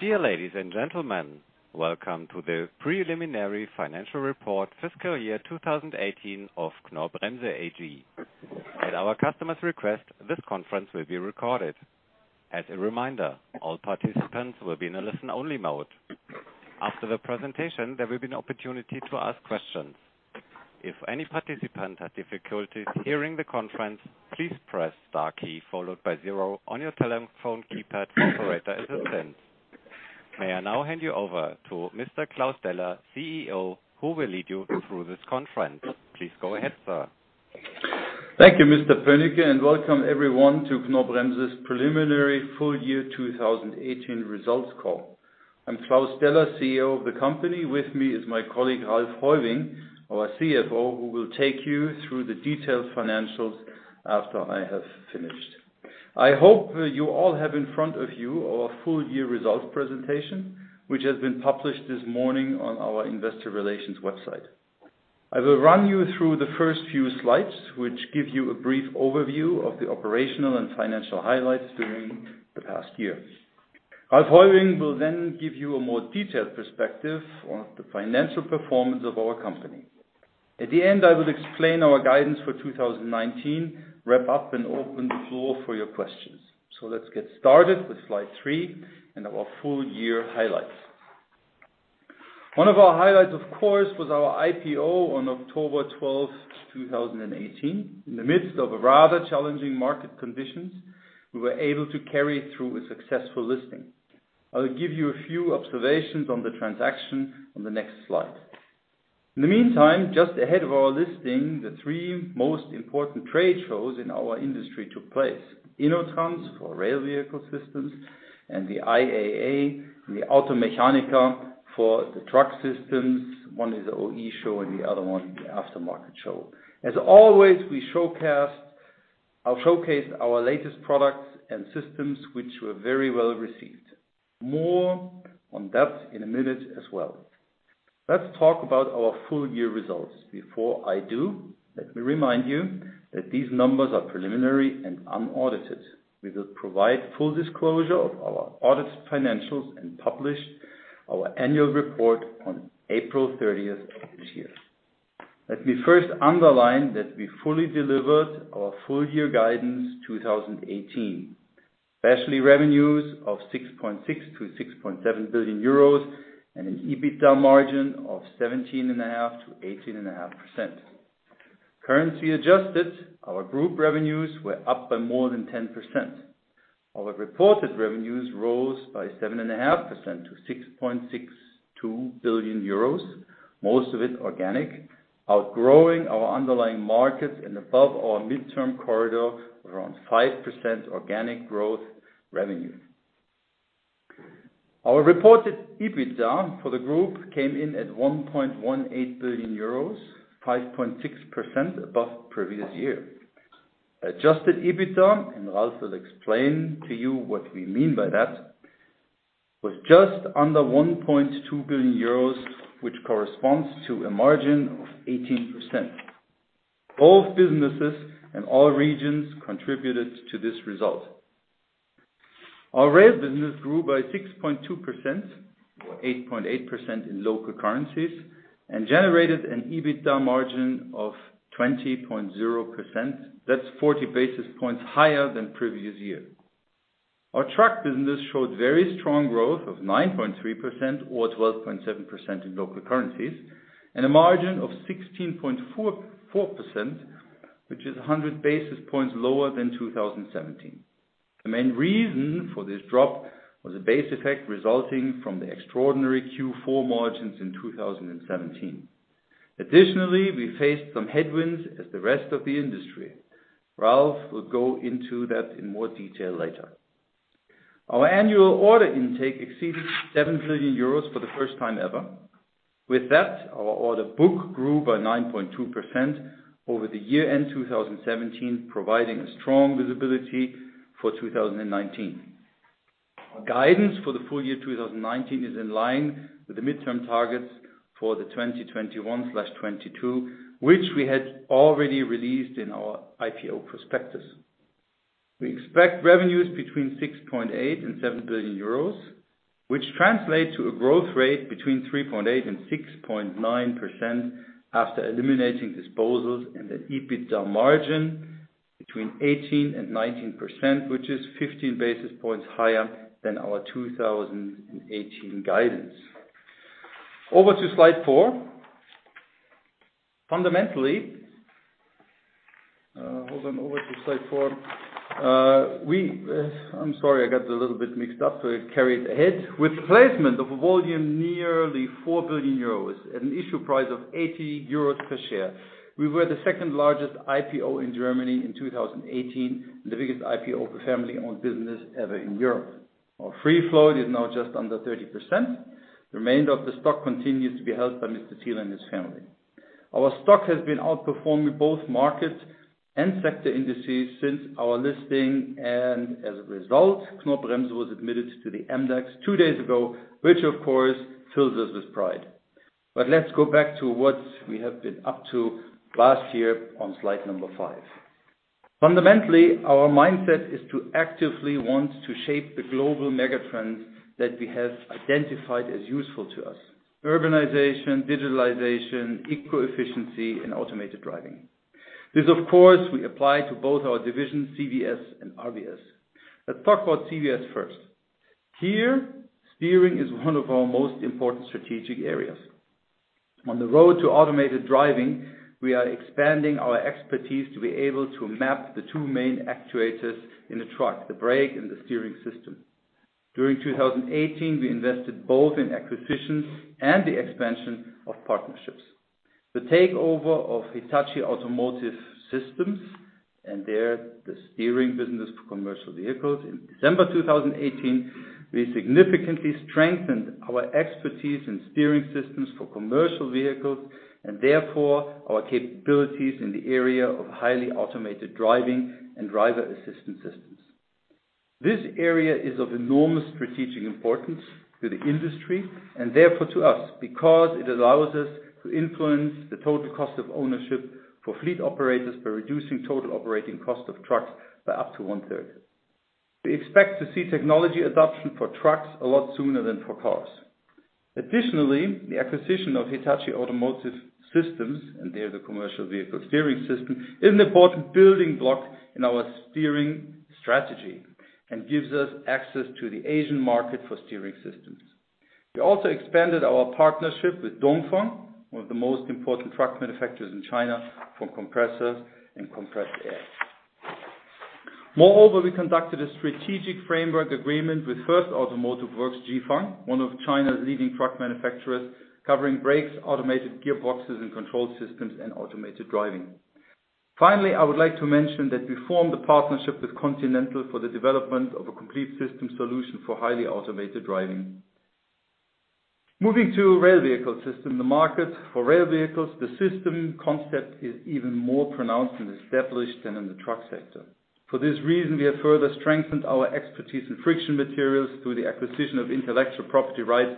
Dear ladies and gentlemen. Welcome to the preliminary financial report fiscal year 2018 of Knorr-Bremse AG. At our customer's request, this conference will be recorded. As a reminder, all participants will be in a listen-only mode. After the presentation, there will be an opportunity to ask questions. If any participant has difficulties hearing the conference, please press star key followed by zero on your telephone keypad, operator assistance. May I now hand you over to Mr. Klaus Deller, CEO, who will lead you through this conference. Please go ahead, sir. Thank you, Mr. Pönicke, and welcome everyone to Knorr-Bremse's preliminary full year 2018 results call. I'm Klaus Deller, CEO of the company. With me is my colleague, Ralph Heuwing, our CFO, who will take you through the detailed financials after I have finished. I hope you all have in front of you our full year results presentation, which has been published this morning on our investor relations website. I will run you through the first few slides, which give you a brief overview of the operational and financial highlights during the past year. Ralph Heuwing will then give you a more detailed perspective on the financial performance of our company. At the end, I will explain our guidance for 2019, wrap up, and open the floor for your questions. Let's get started with slide three and our full year highlights. One of our highlights, of course, was our IPO on October 12th, 2018. In the midst of rather challenging market conditions, we were able to carry through a successful listing. I will give you a few observations on the transaction on the next slide. In the meantime, just ahead of our listing, the three most important trade shows in our industry took place. InnoTrans, for rail vehicle systems, and the IAA and the Automechanika for the truck systems. One is the OE show and the other one the aftermarket show. As always, I'll showcase our latest products and systems, which were very well received. More on that in a minute as well. Let's talk about our full year results. Before I do, let me remind you that these numbers are preliminary and unaudited. We will provide full disclosure of our audited financials and publish our annual report on April 30th of this year. Let me first underline that we fully delivered our full year guidance 2018. Especially revenues of 6.6 billion to 6.7 billion euros, and an EBITDA margin of 17.5%-18.5%. Currency adjusted, our group revenues were up by more than 10%. Our reported revenues rose by 7.5% to 6.62 billion euros. Most of it organic, outgrowing our underlying markets and above our midterm corridor of around 5% organic growth revenue. Our reported EBITDA for the group came in at 1.18 billion euros, 5.6% above previous year. Adjusted EBITDA, and Ralph will explain to you what we mean by that, was just under 1.2 billion euros, which corresponds to a margin of 18%. Both businesses and all regions contributed to this result. Our rail business grew by 6.2%, or 8.8% in local currencies, and generated an EBITDA margin of 20.0%. That's 40 basis points higher than previous year. Our truck business showed very strong growth of 9.3%, or 12.7% in local currencies, and a margin of 16.4%, which is 100 basis points lower than 2017. The main reason for this drop was a base effect resulting from the extraordinary Q4 margins in 2017. Additionally, we faced some headwinds as the rest of the industry. Ralph will go into that in more detail later. Our annual order intake exceeded 7 billion euros for the first time ever. With that, our order book grew by 9.2% over the year end 2017, providing a strong visibility for 2019. Our guidance for the full year 2019 is in line with the midterm targets for the 2021/22, which we had already released in our IPO prospectus. We expect revenues between 6.8 billion and 7 billion euros, which translate to a growth rate between 3.8% and 6.9% after eliminating disposals and an EBITDA margin between 18% and 19%, which is 15 basis points higher than our 2018 guidance. Over to slide four. Over to slide four. I'm sorry, I got a little bit mixed up, so I carried ahead. With placement of a volume nearly 4 billion euros at an issue price of 80 euros per share, we were the second largest IPO in Germany in 2018, and the biggest IPO for family-owned business ever in Europe. Our free float is now just under 30%. The remainder of the stock continues to be held by Mr. Thiele and his family. Our stock has been outperforming both markets and sector indices since our listing and as a result, Knorr-Bremse was admitted to the MDAX two days ago, which of course fills us with pride. Let's go back to what we have been up to last year on slide number 5. Fundamentally, our mindset is to actively want to shape the global mega trends that we have identified as useful to us. Urbanization, digitalization, eco-efficiency, and automated driving. This, of course, we apply to both our divisions, CVS and RVS. Let's talk about CVS first. Here, steering is one of our most important strategic areas. On the road to automated driving, we are expanding our expertise to be able to map the two main actuators in the truck, the brake and the steering system. During 2018, we invested both in acquisitions and the expansion of partnerships. The takeover of Hitachi Automotive Systems and their steering business for commercial vehicles in December 2018, we significantly strengthened our expertise in steering systems for commercial vehicles, and therefore, our capabilities in the area of highly automated driving and driver assistance systems. This area is of enormous strategic importance to the industry and therefore to us, because it allows us to influence the total cost of ownership for fleet operators by reducing total operating cost of trucks by up to one-third. We expect to see technology adoption for trucks a lot sooner than for cars. Additionally, the acquisition of Hitachi Automotive Systems and their commercial vehicle steering system is an important building block in our steering strategy and gives us access to the Asian market for steering systems. We also expanded our partnership with Dongfeng, one of the most important truck manufacturers in China, for compressors and compressed air. Moreover, we conducted a strategic framework agreement with FAW Jiefang, one of China's leading truck manufacturers, covering brakes, automated gearboxes and control systems, and automated driving. Finally, I would like to mention that we formed the partnership with Continental for the development of a complete system solution for highly automated driving. Moving to rail vehicle system. The market for rail vehicles, the system concept is even more pronounced and established than in the truck sector. For this reason, we have further strengthened our expertise in friction materials through the acquisition of intellectual property rights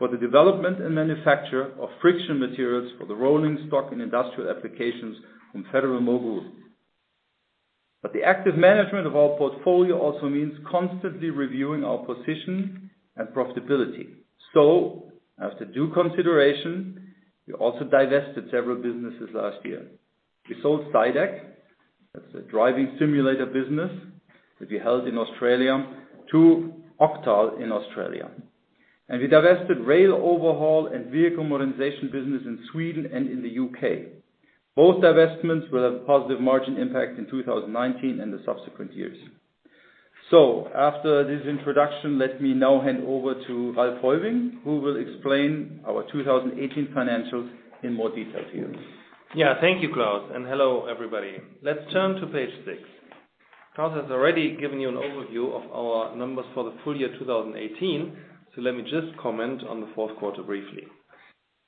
for the development and manufacture of friction materials for the rolling stock and industrial applications from Federal-Mogul. The active management of our portfolio also means constantly reviewing our position and profitability. As to due consideration, we also divested several businesses last year. We sold Sydac, that's a driving simulator business that we held in Australia, to Oktal in Australia. We divested rail overhaul and vehicle modernization business in Sweden and in the U.K. Both divestments will have a positive margin impact in 2019 and the subsequent years. After this introduction, let me now hand over to Ralph Heuwing, who will explain our 2018 financials in more detail to you. Thank you, Klaus, and hello, everybody. Let's turn to page six. Klaus has already given you an overview of our numbers for the full year 2018, so let me just comment on the fourth quarter briefly.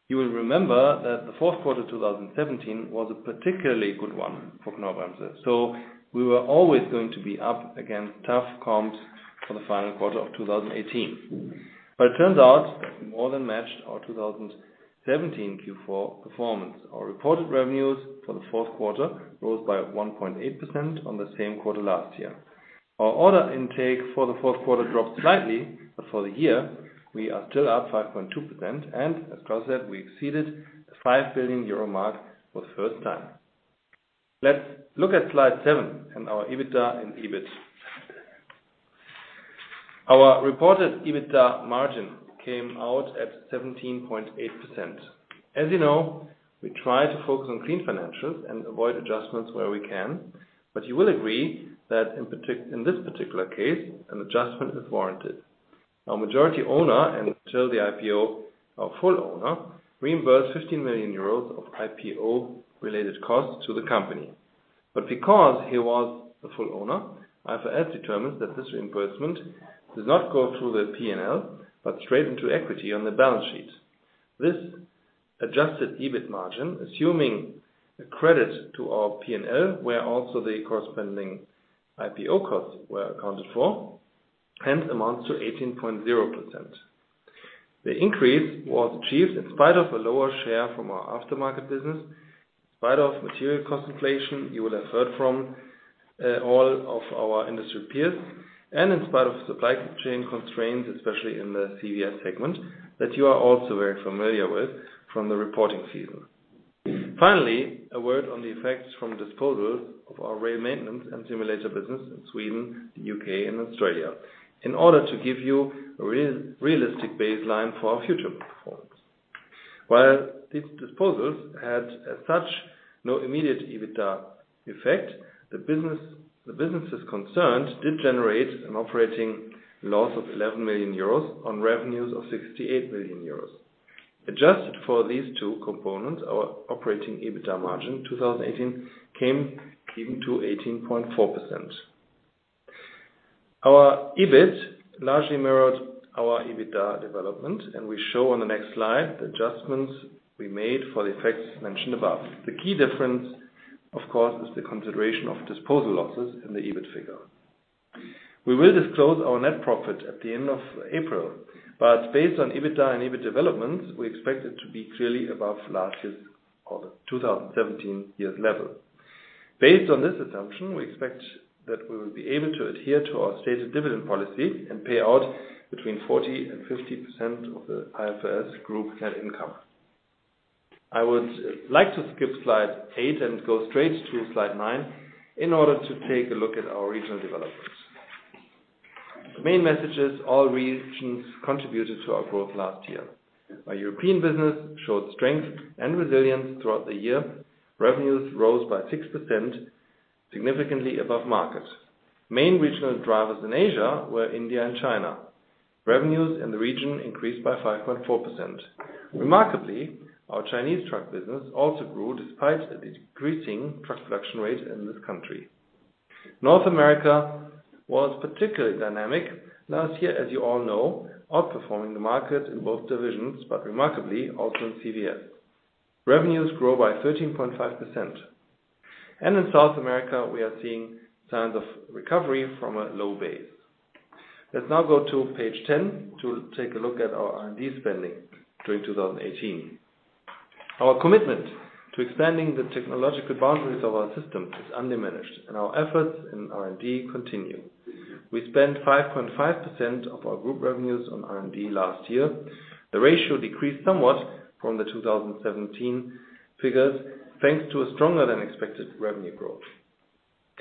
You will remember that the fourth quarter 2017 was a particularly good one for Knorr-Bremse. We were always going to be up against tough comps for the final quarter of 2018. It turns out that we more than matched our 2017 Q4 performance. Our reported revenues for the fourth quarter rose by 1.8% on the same quarter last year. Our order intake for the fourth quarter dropped slightly, but for the year, we are still up 5.2% and, as Klaus said, we exceeded the 5 billion euro mark for the first time. Let's look at slide seven and our EBITDA and EBIT. Our reported EBITDA margin came out at 17.8%. As you know, we try to focus on clean financials and avoid adjustments where we can. You will agree that in this particular case, an adjustment is warranted. Our majority owner, and until the IPO, our full owner, reimbursed 15 million euros of IPO related costs to the company. Because he was the full owner, IFRS determined that this reimbursement does not go through the P&L, but straight into equity on the balance sheet. This adjusted EBIT margin, assuming a credit to our P&L, where also the corresponding IPO costs were accounted for, hence amounts to 18.0%. The increase was achieved in spite of a lower share from our aftermarket business, in spite of material cost inflation you will have heard from all of our industry peers, in spite of supply chain constraints, especially in the CVS segment, that you are also very familiar with from the reporting season. Finally, a word on the effects from disposal of our rail maintenance and simulator business in Sweden, the U.K., and Australia, in order to give you a realistic baseline for our future performance. While these disposals had as such no immediate EBITDA effect, the businesses concerned did generate an operating loss of 11 million euros on revenues of 68 million euros. Adjusted for these two components, our operating EBITDA margin 2018 came to 18.4%. Our EBIT largely mirrored our EBITDA development, we show on the next slide the adjustments we made for the effects mentioned above. The key difference, of course, is the consideration of disposal losses in the EBIT figure. We will disclose our net profit at the end of April, based on EBITDA and EBIT developments, we expect it to be clearly above last year's, or the 2017 year's level. Based on this assumption, we expect that we will be able to adhere to our stated dividend policy and pay out between 40%-50% of the IFRS group net income. I would like to skip slide eight and go straight to slide nine in order to take a look at our regional developments. The main message is all regions contributed to our growth last year. Our European business showed strength and resilience throughout the year. Revenues rose by 6%, significantly above market. Main regional drivers in Asia were India and China. Revenues in the region increased by 5.4%. Remarkably, our Chinese truck business also grew despite a decreasing truck production rate in this country. North America was particularly dynamic last year, as you all know, outperforming the market in both divisions, but remarkably also in CVS. Revenues grew by 13.5%. In South America, we are seeing signs of recovery from a low base. Let's now go to page 10 to take a look at our R&D spending during 2018. Our commitment to expanding the technological boundaries of our system is undiminished, our efforts in R&D continue. We spent 5.5% of our group revenues on R&D last year. The ratio decreased somewhat from the 2017 figures, thanks to a stronger-than-expected revenue growth.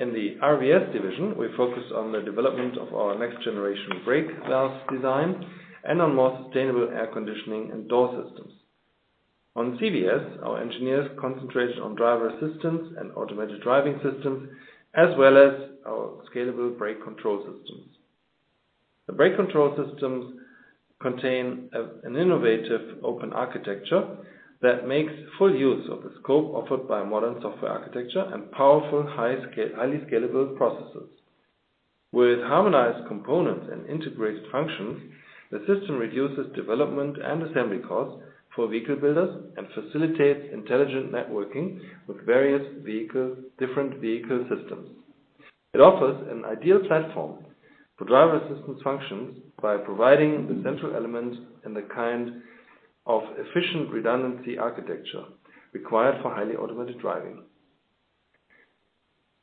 In the RVS division, we focused on the development of our next-generation brake valve design and on more sustainable air conditioning and door systems. On CVS, our engineers concentrated on driver assistance and automated driving systems, as well as our scalable brake control systems. The brake control systems contain an innovative open architecture that makes full use of the scope offered by modern software architecture and powerful, highly scalable processors. With harmonized components and integrated functions, the system reduces development and assembly costs for vehicle builders and facilitates intelligent networking with various different vehicle systems. It offers an ideal platform for driver assistance functions by providing the central element and the kind of efficient redundancy architecture required for highly automated driving.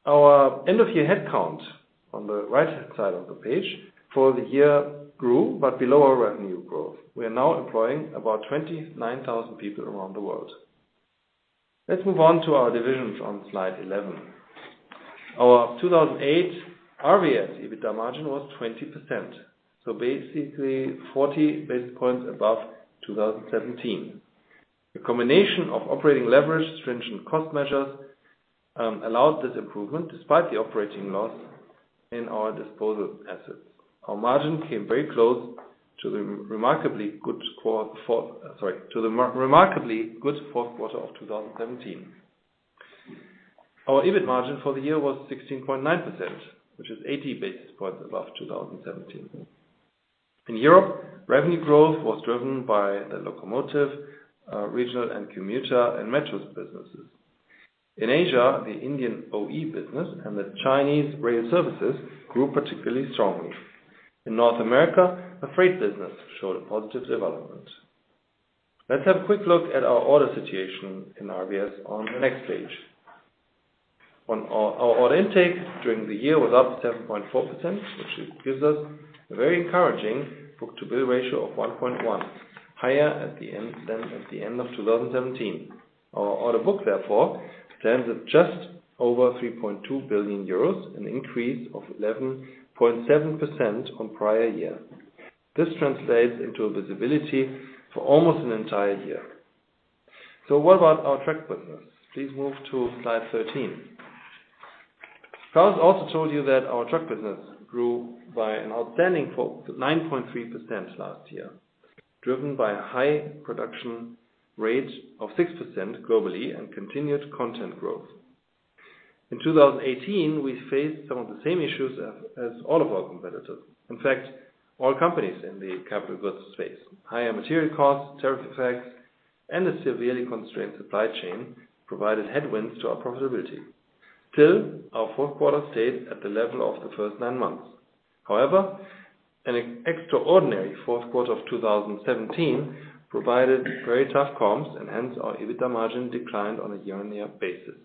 Our end-of-year headcount, on the right-hand side of the page, for the year grew, but below our revenue growth. We are now employing about 29,000 people around the world. Let's move on to our divisions on slide 11. Our 2008 RVS EBITDA margin was 20%, so basically 40 basis points above 2017. The combination of operating leverage stringent cost measures allowed this improvement despite the operating loss in our disposal assets. Our margin came very close to the remarkably good fourth quarter of 2017. Our EBIT margin for the year was 16.9%, which is 80 basis points above 2017. In Europe, revenue growth was driven by the locomotive, regional and commuter, and metros businesses. In Asia, the Indian OE business and the Chinese rail services grew particularly strongly. In North America, the freight business showed a positive development. Let's have a quick look at our order situation in RVS on the next page. Our order intake during the year was up 7.4%, which gives us a very encouraging book-to-bill ratio of 1.1, higher than at the end of 2017. Our order book, therefore, stands at just over 3.2 billion euros, an increase of 11.7% on prior year. This translates into a visibility for almost an entire year. What about our truck business? Please move to slide 13. Klaus also told you that our truck business grew by an outstanding 9.3% last year, driven by a high production rate of 6% globally and continued content growth. In 2018, we faced some of the same issues as all of our competitors. In fact, all companies in the capital goods space. Higher material costs, tariff effects, and a severely constrained supply chain provided headwinds to our profitability. Still, our fourth quarter stayed at the level of the first nine months. An extraordinary fourth quarter of 2017 provided very tough comps and hence our EBITDA margin declined on a year-on-year basis.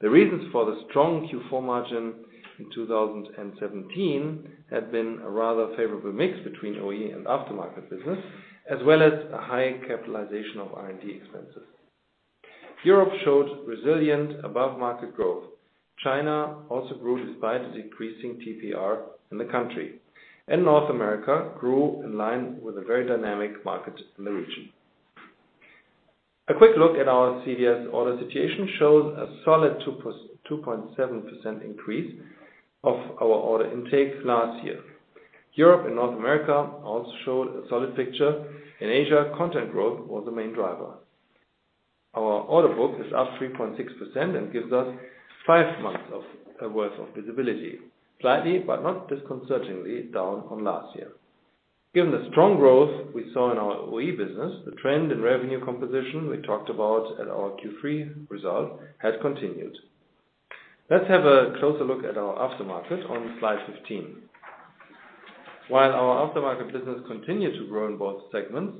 The reasons for the strong Q4 margin in 2017 had been a rather favorable mix between OE and aftermarket business, as well as a high capitalization of R&D expenses. Europe showed resilient above-market growth. China also grew despite a decreasing TPR in the country. North America grew in line with a very dynamic market in the region. A quick look at our CVS order situation shows a solid 2.7% increase of our order intake last year. Europe and North America also showed a solid picture. In Asia, content growth was the main driver. Our order book is up 3.6% and gives us five months worth of visibility, slightly but not disconcertingly down from last year. Given the strong growth we saw in our OE business, the trend in revenue composition we talked about at our Q3 result has continued. Let's have a closer look at our aftermarket on slide 15. While our aftermarket business continued to grow in both segments,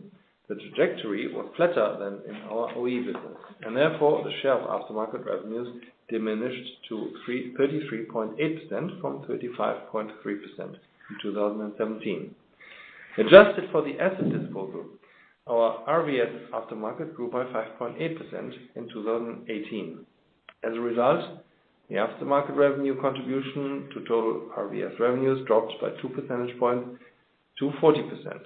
the trajectory was flatter than in our OE business, and therefore, the share of aftermarket revenues diminished to 33.8% from 35.3% in 2017. Adjusted for the asset disposal, our RVS aftermarket grew by 5.8% in 2018. As a result, the aftermarket revenue contribution to total RVS revenues dropped by 2 percentage points to 40%.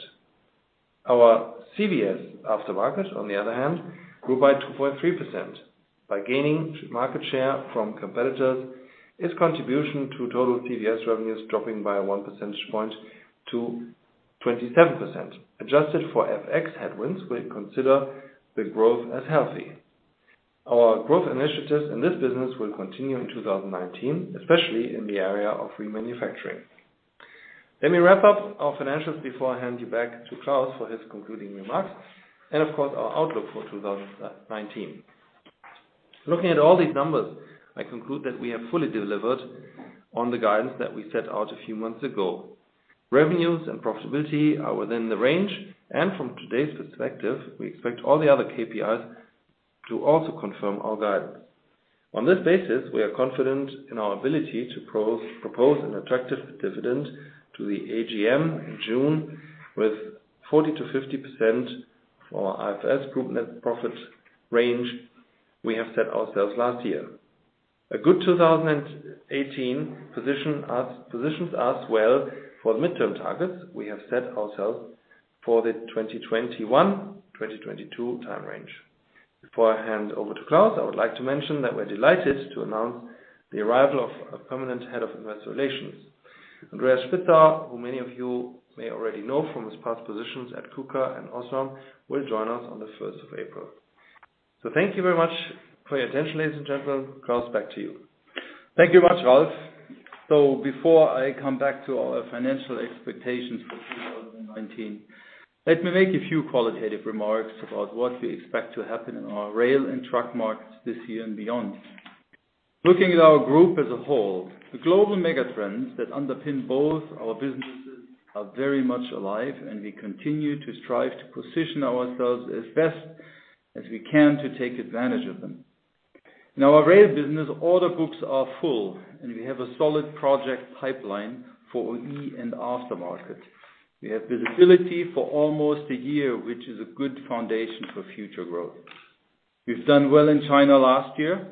Our CVS aftermarket, on the other hand, grew by 2.3% by gaining market share from competitors, its contribution to total CVS revenues dropping by 1 percentage point to 27%. Adjusted for FX headwinds, we consider the growth as healthy. Our growth initiatives in this business will continue in 2019, especially in the area of remanufacturing. Let me wrap up our financials before I hand you back to Klaus for his concluding remarks and of course, our outlook for 2019. Looking at all these numbers, I conclude that we have fully delivered on the guidance that we set out a few months ago. Revenues and profitability are within the range, and from today's perspective, we expect all the other KPIs to also confirm our guidance. On this basis, we are confident in our ability to propose an attractive dividend to the AGM in June with 40%-50% for our IFRS group net profit range we have set ourselves last year. A good 2018 positions us well for the midterm targets we have set ourselves for the 2021, 2022 time range. Before I hand over to Klaus, I would like to mention that we're delighted to announce the arrival of a permanent head of investor relations. Andreas Spitzer, who many of you may already know from his past positions at KUKA and OSRAM, will join us on the 1st of April. Thank you very much for your attention, ladies and gentlemen. Klaus, back to you. Thank you much, Ralph. Before I come back to our financial expectations for 2019, let me make a few qualitative remarks about what we expect to happen in our rail and truck markets this year and beyond. Looking at our group as a whole, the global mega trends that underpin both our businesses are very much alive, and we continue to strive to position ourselves as best as we can to take advantage of them. In our rail business, order books are full, and we have a solid project pipeline for OE and aftermarket. We have visibility for almost a year, which is a good foundation for future growth. We've done well in China last year,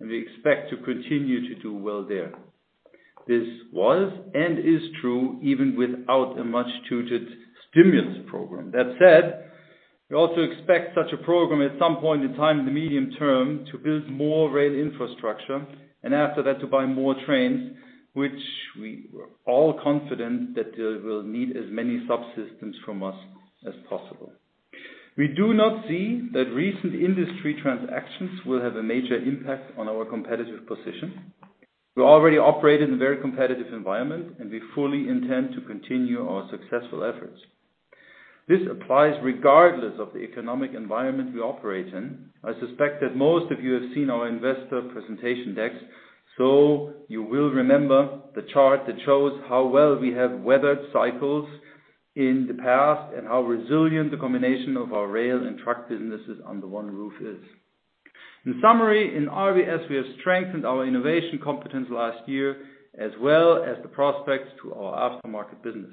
and we expect to continue to do well there. This was and is true even without a much-touted stimulus program. That said, we also expect such a program at some point in time in the medium term to build more rail infrastructure and after that, to buy more trains, which we were all confident that they will need as many subsystems from us as possible. We do not see that recent industry transactions will have a major impact on our competitive position. We already operate in a very competitive environment, and we fully intend to continue our successful efforts. This applies regardless of the economic environment we operate in. I suspect that most of you have seen our investor presentation decks, you will remember the chart that shows how well we have weathered cycles in the past and how resilient the combination of our rail and truck businesses under one roof is. In summary, in RVS, we have strengthened our innovation competence last year as well as the prospects to our aftermarket business.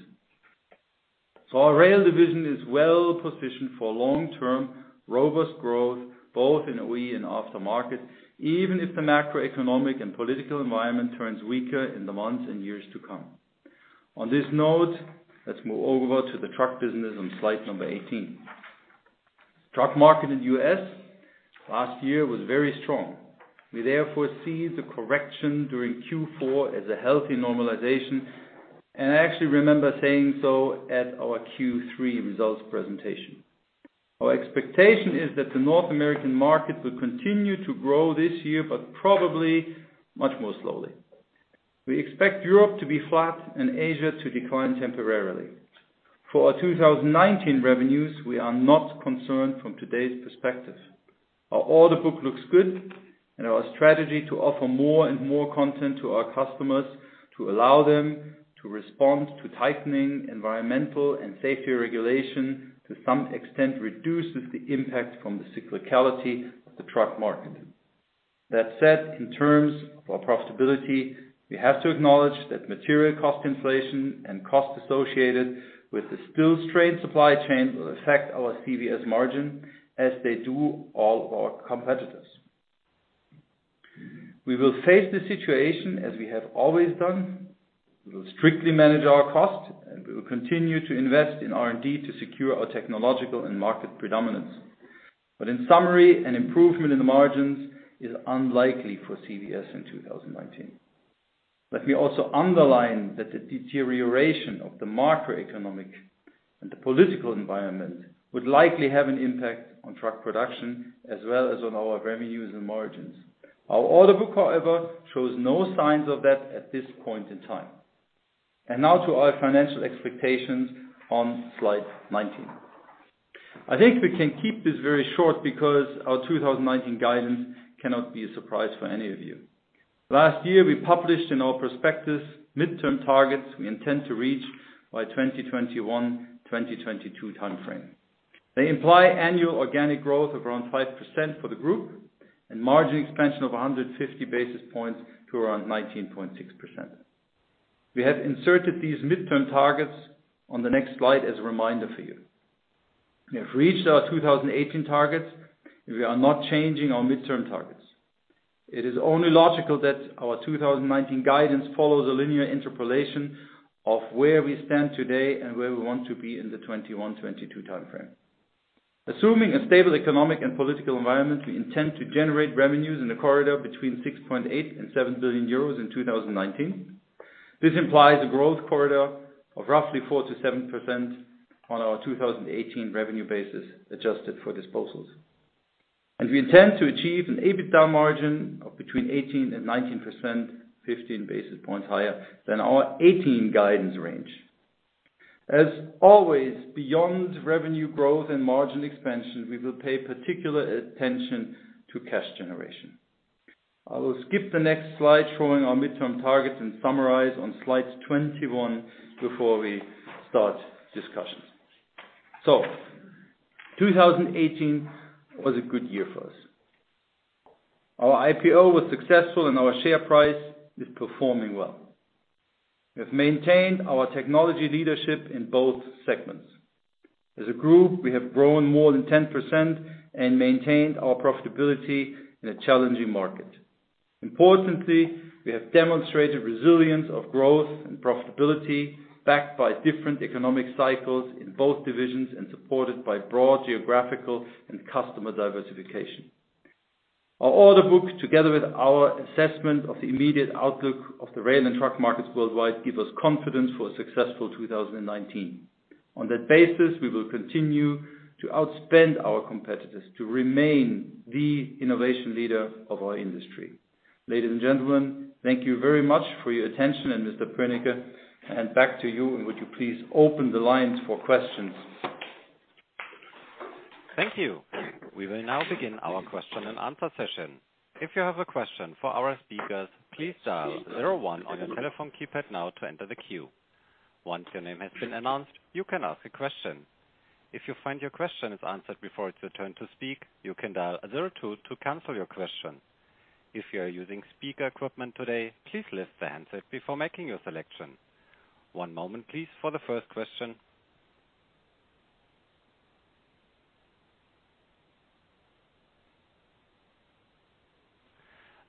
Our rail division is well-positioned for long-term, robust growth, both in OE and aftermarket, even if the macroeconomic and political environment turns weaker in the months and years to come. On this note, let's move over to the truck business on slide number 18. Truck market in U.S. last year was very strong. We therefore see the correction during Q4 as a healthy normalization, and I actually remember saying so at our Q3 results presentation. Our expectation is that the North American market will continue to grow this year, but probably much more slowly. We expect Europe to be flat and Asia to decline temporarily. For our 2019 revenues, we are not concerned from today's perspective. Our order book looks good. Our strategy to offer more and more content to our customers to allow them to respond to tightening environmental and safety regulation to some extent reduces the impact from the cyclicality of the truck market. That said, in terms of our profitability, we have to acknowledge that material cost inflation and cost associated with the still strained supply chain will affect our CVS margin as they do all of our competitors. We will face the situation as we have always done. We will strictly manage our cost, and we will continue to invest in R&D to secure our technological and market predominance. In summary, an improvement in the margins is unlikely for CVS in 2019. Let me also underline that the deterioration of the macroeconomic and the political environment would likely have an impact on truck production as well as on our revenues and margins. Our order book, however, shows no signs of that at this point in time. Now to our financial expectations on slide 19. I think we can keep this very short because our 2019 guidance cannot be a surprise for any of you. Last year, we published in our prospectus midterm targets we intend to reach by 2021, 2022 timeframe. They imply annual organic growth of around 5% for the group and margin expansion of 150 basis points to around 19.6%. We have inserted these midterm targets on the next slide as a reminder for you. We have reached our 2018 targets, and we are not changing our midterm targets. It is only logical that our 2019 guidance follows a linear interpolation of where we stand today and where we want to be in the 2021, 2022 timeframe. Assuming a stable economic and political environment, we intend to generate revenues in the corridor between 6.8 billion and 7 billion euros in 2019. This implies a growth corridor of roughly 4%-7% on our 2018 revenue basis, adjusted for disposals. We intend to achieve an EBITDA margin of between 18% and 19%, 15 basis points higher than our 2018 guidance range. As always, beyond revenue growth and margin expansion, we will pay particular attention to cash generation. I will skip the next slide showing our midterm targets and summarize on slide 21 before we start discussions. 2018 was a good year for us. Our IPO was successful, and our share price is performing well. We have maintained our technology leadership in both segments. As a group, we have grown more than 10% and maintained our profitability in a challenging market. Importantly, we have demonstrated resilience of growth and profitability, backed by different economic cycles in both divisions and supported by broad geographical and customer diversification. Our order book, together with our assessment of the immediate outlook of the rail and truck markets worldwide, give us confidence for a successful 2019. On that basis, we will continue to outspend our competitors to remain the innovation leader of our industry. Ladies and gentlemen, thank you very much for your attention. Mr. Pönicke, hand back to you, and would you please open the lines for questions? Thank you. We will now begin our question and answer session. If you have a question for our speakers, please dial 01 on your telephone keypad now to enter the queue. Once your name has been announced, you can ask a question. If you find your question is answered before it's your turn to speak, you can dial 02 to cancel your question. If you are using speaker equipment today, please lift the handset before making your selection. One moment, please, for the first question.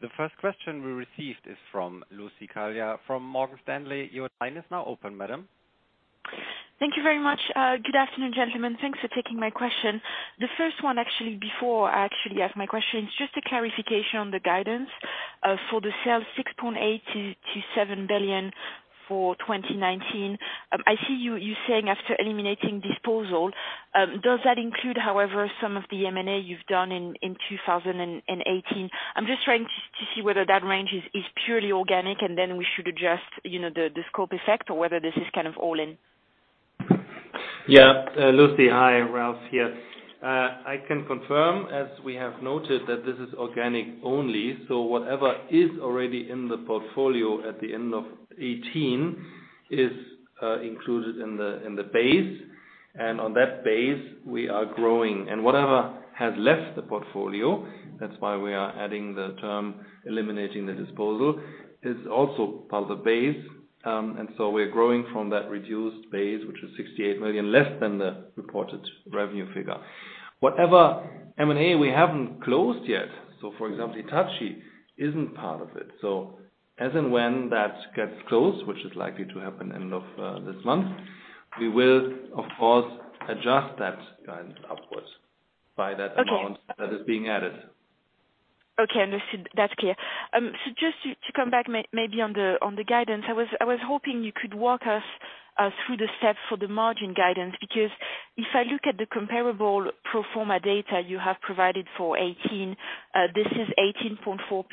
The first question we received is from Lucie Carriere from Morgan Stanley. Your line is now open, madam. Thank you very much. Good afternoon, gentlemen. Thanks for taking my question. The first one, actually, before I actually ask my question, is just a clarification on the guidance. For the sales 6.8 billion-7 billion for 2019, I see you saying after eliminating disposal. Does that include, however, some of the M&A you've done in 2018? I'm just trying to see whether that range is purely organic and then we should adjust the scope effect or whether this is kind of all in. Yeah. Lucie, hi. Ralph here. I can confirm, as we have noted, that this is organic only. Whatever is already in the portfolio at the end of 2018 is included in the base. On that base, we are growing. Whatever has left the portfolio, that's why we are adding the term eliminating the disposal, is also part of the base. We're growing from that reduced base, which is 68 million less than the reported revenue figure. Whatever M&A we haven't closed yet, for example, Hitachi, isn't part of it. As and when that gets closed, which is likely to happen end of this month, we will, of course, adjust that guidance upwards by that amount that is being added. Okay, understood. That's clear. Just to come back maybe on the guidance, I was hoping you could walk us through the steps for the margin guidance. If I look at the comparable pro forma data you have provided for 2018, this is 18.4%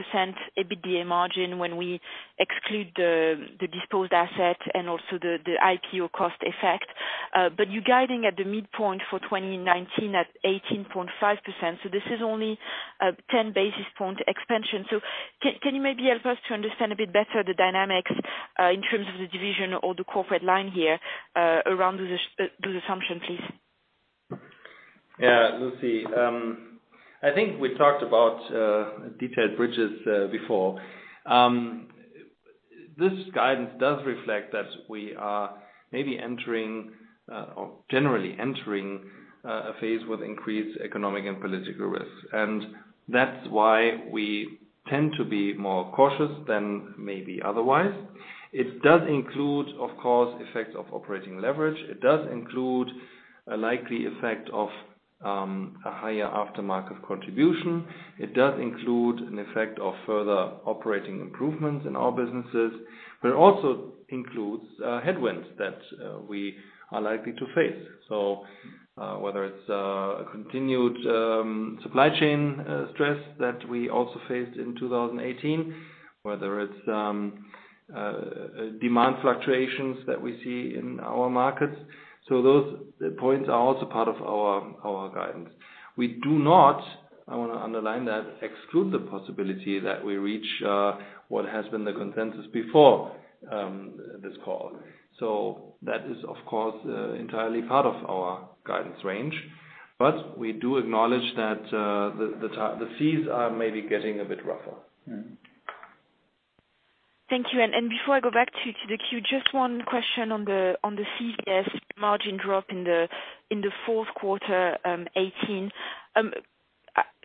EBITDA margin when we exclude the disposed asset and also the IPO cost effect. You're guiding at the midpoint for 2019 at 18.5%, this is only a 10-basis point expansion. Can you maybe help us to understand a bit better the dynamics in terms of the division or the corporate line here around those assumptions, please? Yeah. Lucie, I think we talked about detailed bridges before. This guidance does reflect that we are maybe entering or generally entering a phase with increased economic and political risks. That's why we tend to be more cautious than maybe otherwise. It does include, of course, effects of operating leverage. It does include a likely effect of a higher aftermarket contribution. It does include an effect of further operating improvements in our businesses, it also includes headwinds that we are likely to face. Whether it's a continued supply chain stress that we also faced in 2018, whether it's demand fluctuations that we see in our markets. Those points are also part of our guidance. We do not, I want to underline that, exclude the possibility that we reach what has been the consensus before this call. That is, of course, entirely part of our guidance range, we do acknowledge that the seas are maybe getting a bit rougher. Thank you. Before I go back to the queue, just one question on the CVS margin drop in the fourth quarter 2018.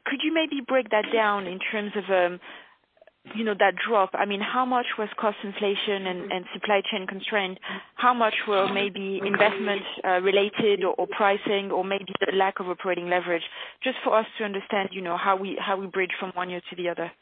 Could you maybe break that down in terms of that drop? How much was cost inflation and supply chain constraint? How much were maybe investments related or pricing or maybe the lack of operating leverage? Just for us to understand how we bridge from one year to the other.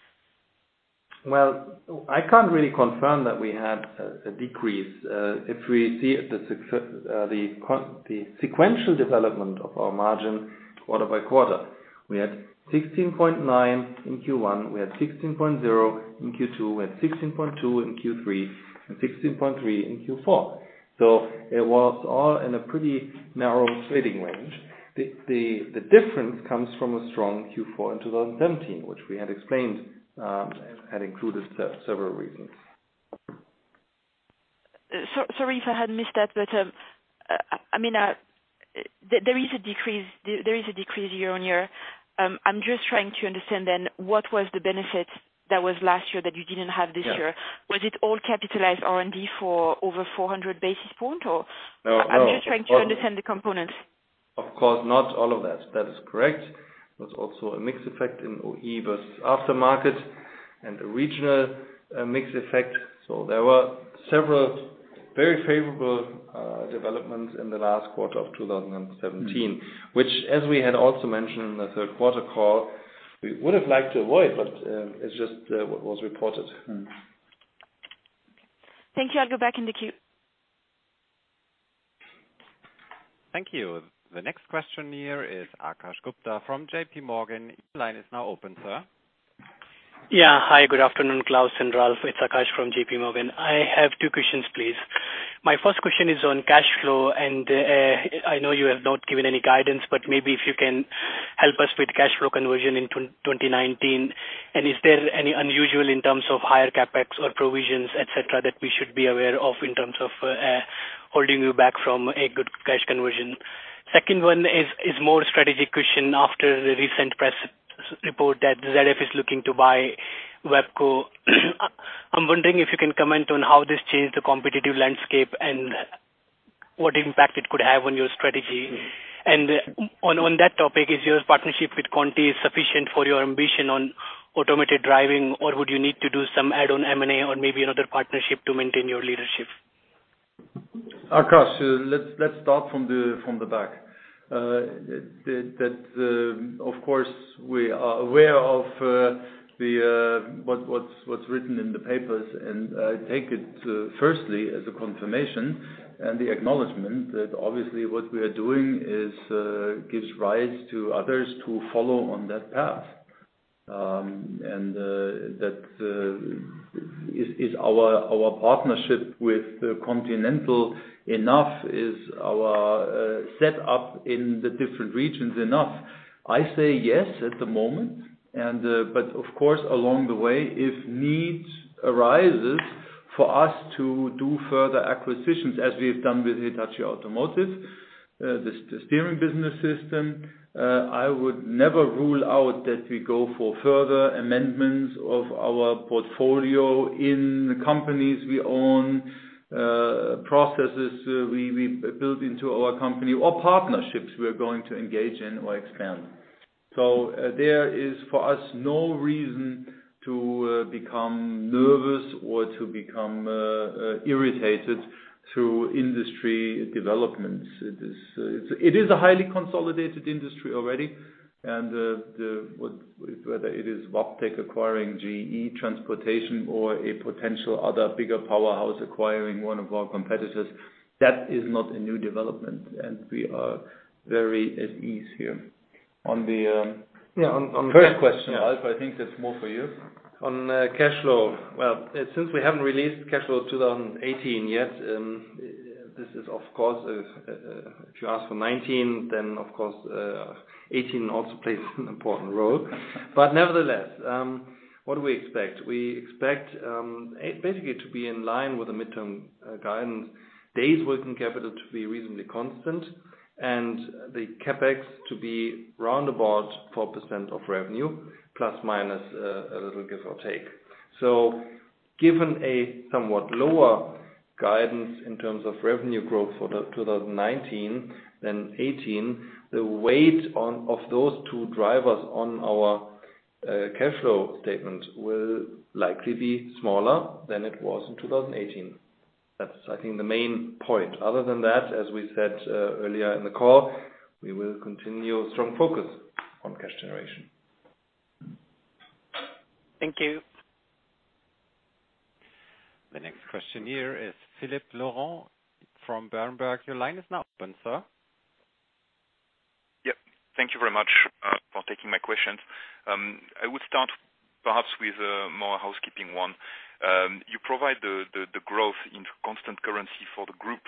I can't really confirm that we had a decrease. If we see the sequential development of our margin quarter by quarter, we had 16.9 in Q1, we had 16.0 in Q2, we had 16.2 in Q3 and 16.3 in Q4. It was all in a pretty narrow trading range. The difference comes from a strong Q4 in 2017, which we had explained, and had included several reasons. Sorry if I had missed that, there is a decrease year-on-year. I am just trying to understand then what was the benefit that was last year that you didn't have this year? Yes. Was it all capitalized R&D for over 400 basis points, or? No. I'm just trying to understand the components. Of course, not all of that. That is correct. There was also a mix effect in OE versus Aftermarket and a regional mix effect. There were several very favorable developments in the last quarter of 2017. Which as we had also mentioned in the third quarter call, we would have liked to avoid, but it's just what was reported. Thank you. I'll go back in the queue. Thank you. The next question here is Akash Gupta from JPMorgan. Your line is now open, sir. Hi, good afternoon, Klaus and Ralph. It's Akash from JP Morgan. I have two questions, please. My first question is on cash flow. I know you have not given any guidance, but maybe if you can help us with cash flow conversion in 2019. Is there any unusual in terms of higher CapEx or provisions, et cetera, that we should be aware of in terms of holding you back from a good cash conversion? Second one is more strategic question. After the recent press report that ZF is looking to buy WABCO, I'm wondering if you can comment on how this changed the competitive landscape and what impact it could have on your strategy. On that topic, is your partnership with Continental sufficient for your ambition on automated driving, or would you need to do some add-on M&A or maybe another partnership to maintain your leadership? Akash, let's start from the back. That of course we are aware of what's written in the papers. I take it firstly as a confirmation and the acknowledgment that obviously what we are doing gives rise to others to follow on that path. That is our partnership with Continental enough? Is our set up in the different regions enough? I say yes at the moment. Of course, along the way, if needs arises for us to do further acquisitions as we've done with Hitachi Automotive, the steering business system, I would never rule out that we go for further amendments of our portfolio in the companies we own, processes we build into our company or partnerships we're going to engage in or expand. There is for us no reason to become nervous or to become irritated through industry developments. It is a highly consolidated industry already. Whether it is Wabtec acquiring GE Transportation or a potential other bigger powerhouse acquiring one of our competitors, that is not a new development. We are very at ease here. On the first question, Ralph, I think that's more for you. Since we haven't released cash flow 2018 yet, if you ask for 2019, of course, 2018 also plays an important role. Nevertheless, what do we expect? We expect basically to be in line with the midterm guidance. Days working capital to be reasonably constant and the CapEx to be roundabout 4% of revenue, plus, minus, a little give or take. Given a somewhat lower guidance in terms of revenue growth for 2019 than 2018, the weight of those two drivers on our cash flow statement will likely be smaller than it was in 2018. That's, I think, the main point. Other than that, as we said earlier in the call, we will continue strong focus on cash generation. Thank you. The next question here is Philippe Laurent from Berenberg. Your line is now open, sir. Yep. Thank you very much for taking my questions. I would start perhaps with a more housekeeping one. You provide the growth in constant currency for the group.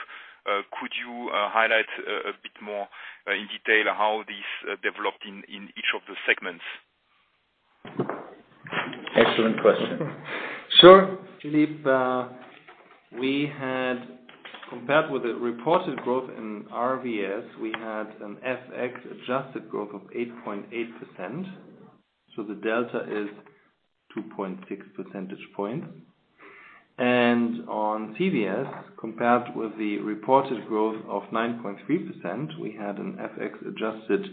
Could you highlight a bit more in detail how this developed in each of the segments? Excellent question. Sure, Philippe. Compared with the reported growth in RVS, we had an FX-adjusted growth of 8.8%, so the delta is 2.6 percentage points. On CVS, compared with the reported growth of 9.3%, we had an FX-adjusted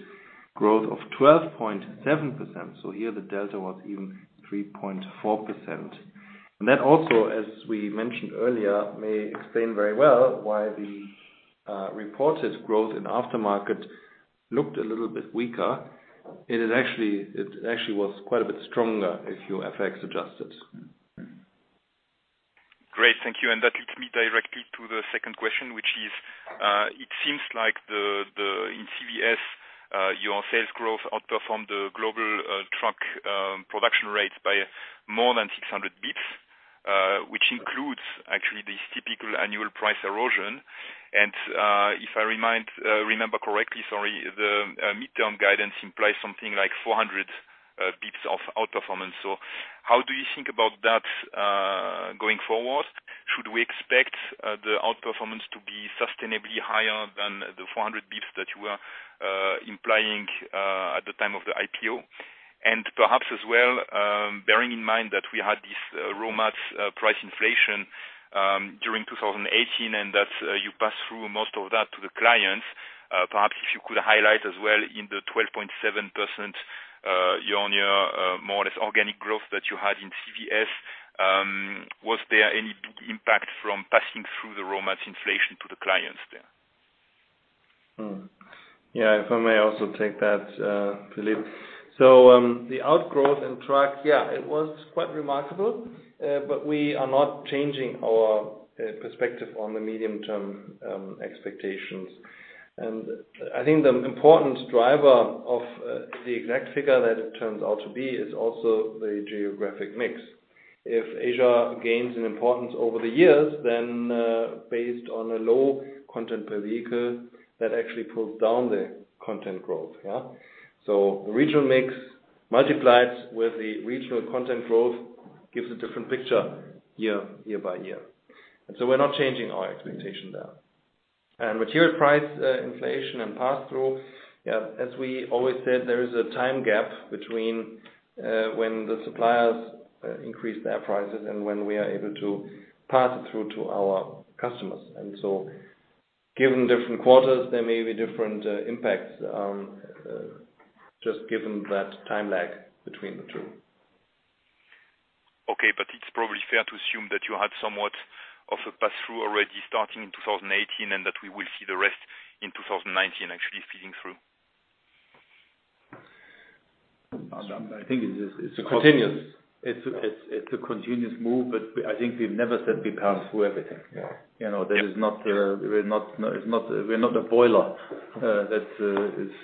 growth of 12.7%. Here the delta was even 3.4%. That also, as we mentioned earlier, may explain very well why the reported growth in aftermarket looked a little bit weaker. It actually was quite a bit stronger if you FX-adjusted. Great. Thank you. That leads me directly to the second question, which is, it seems like in CVS, your sales growth outperformed the global truck production rate by more than 600 basis points, which includes actually this typical annual price erosion. If I remember correctly, sorry, the midterm guidance implies something like 400 basis points of outperformance. How do you think about that going forward? Should we expect the outperformance to be sustainably higher than the 400 basis points that you were implying at the time of the IPO? Perhaps as well, bearing in mind that we had this raw mats price inflation during 2018 and that you pass through most of that to the clients, perhaps if you could highlight as well in the 12.7% year-on-year, more or less organic growth that you had in CVS. Was there any big impact from passing through the raw mats inflation to the clients there? Yeah. If I may also take that, Philippe. The outgrowth and truck, yeah, it was quite remarkable. We are not changing our perspective on the medium-term expectations. I think the important driver of the exact figure that it turns out to be is also the geographic mix. If Asia gains an importance over the years, then, based on a low content per vehicle, that actually pulls down the content growth. Yeah? Regional mix multiplies with the regional content growth, gives a different picture year by year. We're not changing our expectation there. Material price inflation and pass-through, yeah, as we always said, there is a time gap between when the suppliers increase their prices and when we are able to pass it through to our customers. Given different quarters, there may be different impacts, just given that time lag between the two. Okay. It's probably fair to assume that you had somewhat of a pass-through already starting in 2018, and that we will see the rest in 2019 actually feeding through. I think it's It's continuous It's a continuous move, but I think we've never said we pass through everything. Yeah. We're not a buffer, that is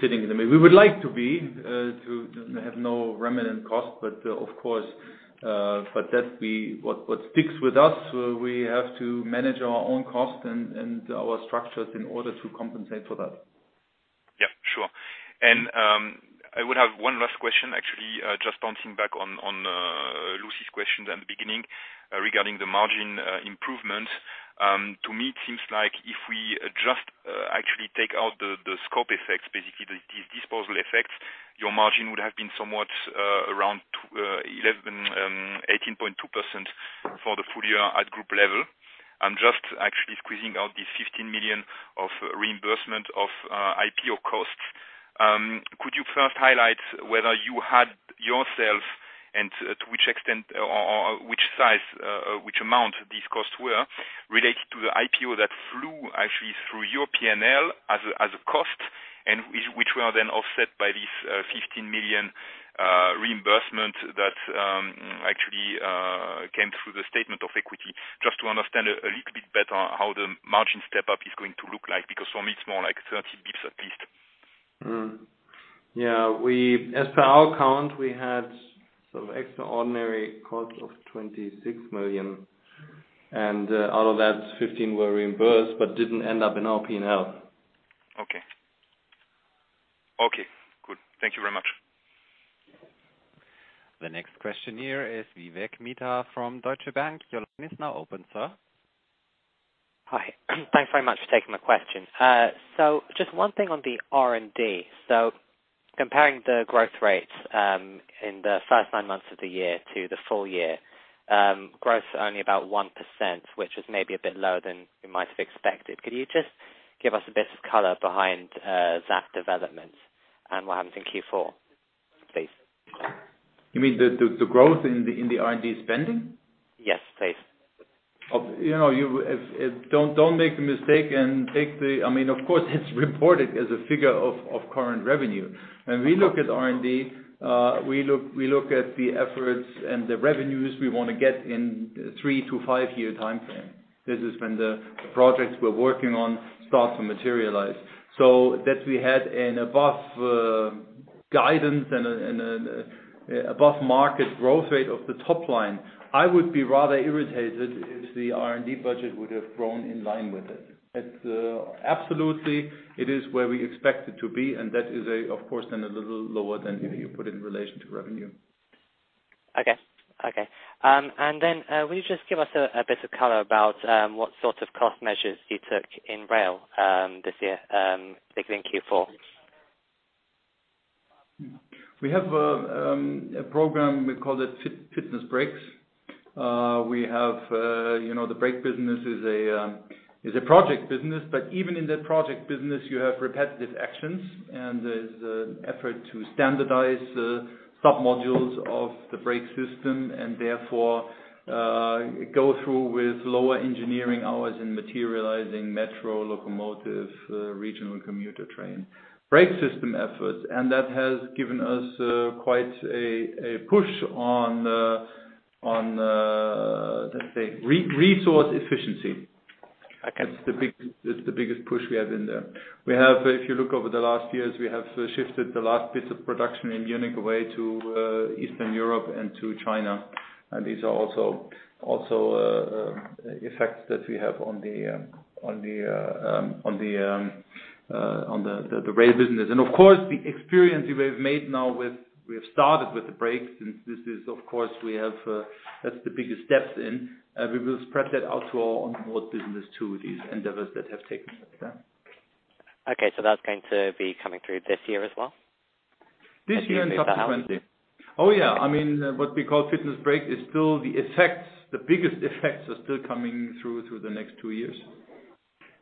sitting in the mid. We would like to be, to have no remnant cost, but of course. What sticks with us, we have to manage our own cost and our structures in order to compensate for that. Yeah. Sure. I would have one last question, actually, just bouncing back on Lucie's question at the beginning regarding the margin improvement. To me, it seems like if we just actually take out the scope effects, basically the disposal effects, your margin would have been somewhat around 18.2% for the full year at group level, and just actually squeezing out this 15 million of reimbursement of IPO costs. Could you first highlight whether you had yourself, and to which extent or which size, which amount these costs were related to the IPO that flew actually through your P&L as a cost, and which were then offset by this 15 million reimbursement that actually came through the statement of equity, just to understand a little bit better how the margin step-up is going to look like, because for me, it's more like 30 basis points at least. Yeah. As per our count, we had sort of extraordinary cost of 26 million, and out of that, 15 were reimbursed but didn't end up in our P&L. Okay. Okay, good. Thank you very much. The next question here is Vivek Mittal from Deutsche Bank. Your line is now open, sir. Hi. Thanks very much for taking my question. Just one thing on the R&D. Comparing the growth rates in the first nine months of the year to the full year, growth is only about 1%, which is maybe a bit lower than you might have expected. Could you just give us a bit of color behind that development and what happens in Q4, please? You mean the growth in the R&D spending? Yes, please. Of course, it's reported as a figure of current revenue. When we look at R&D, we look at the efforts and the revenues we want to get in three to five-year timeframe. This is when the projects we're working on start to materialize. That we had an above guidance and above market growth rate of the top line, I would be rather irritated if the R&D budget would have grown in line with it. Absolutely, it is where we expect it to be, and that is, of course, then a little lower than if you put it in relation to revenue. Okay. Will you just give us a bit of color about what sort of cost measures you took in rail this year, particularly in Q4? We have a program, we call it Fitness brakes. The brake business is a project business, but even in that project business, you have repetitive actions, and there's an effort to standardize sub-modules of the brake system, and therefore, go through with lower engineering hours in materializing metro, locomotive, regional commuter train brake system efforts, and that has given us quite a push on the, let's say, resource efficiency. Okay. That's the biggest push we have in there. If you look over the last years, we have shifted the last bits of production in unique way to Eastern Europe and to China. These are also effects that we have on the rail business. Of course, the experience we have made now, we have started with the brakes, and this is, of course, that's the biggest steps in. We will spread that out to our onboard business too, these endeavors that have taken since then. Okay. That's going to be coming through this year as well? This year and subsequently. Oh, yeah. What we call Fitness brake is still the effects. The biggest effects are still coming through the next two years.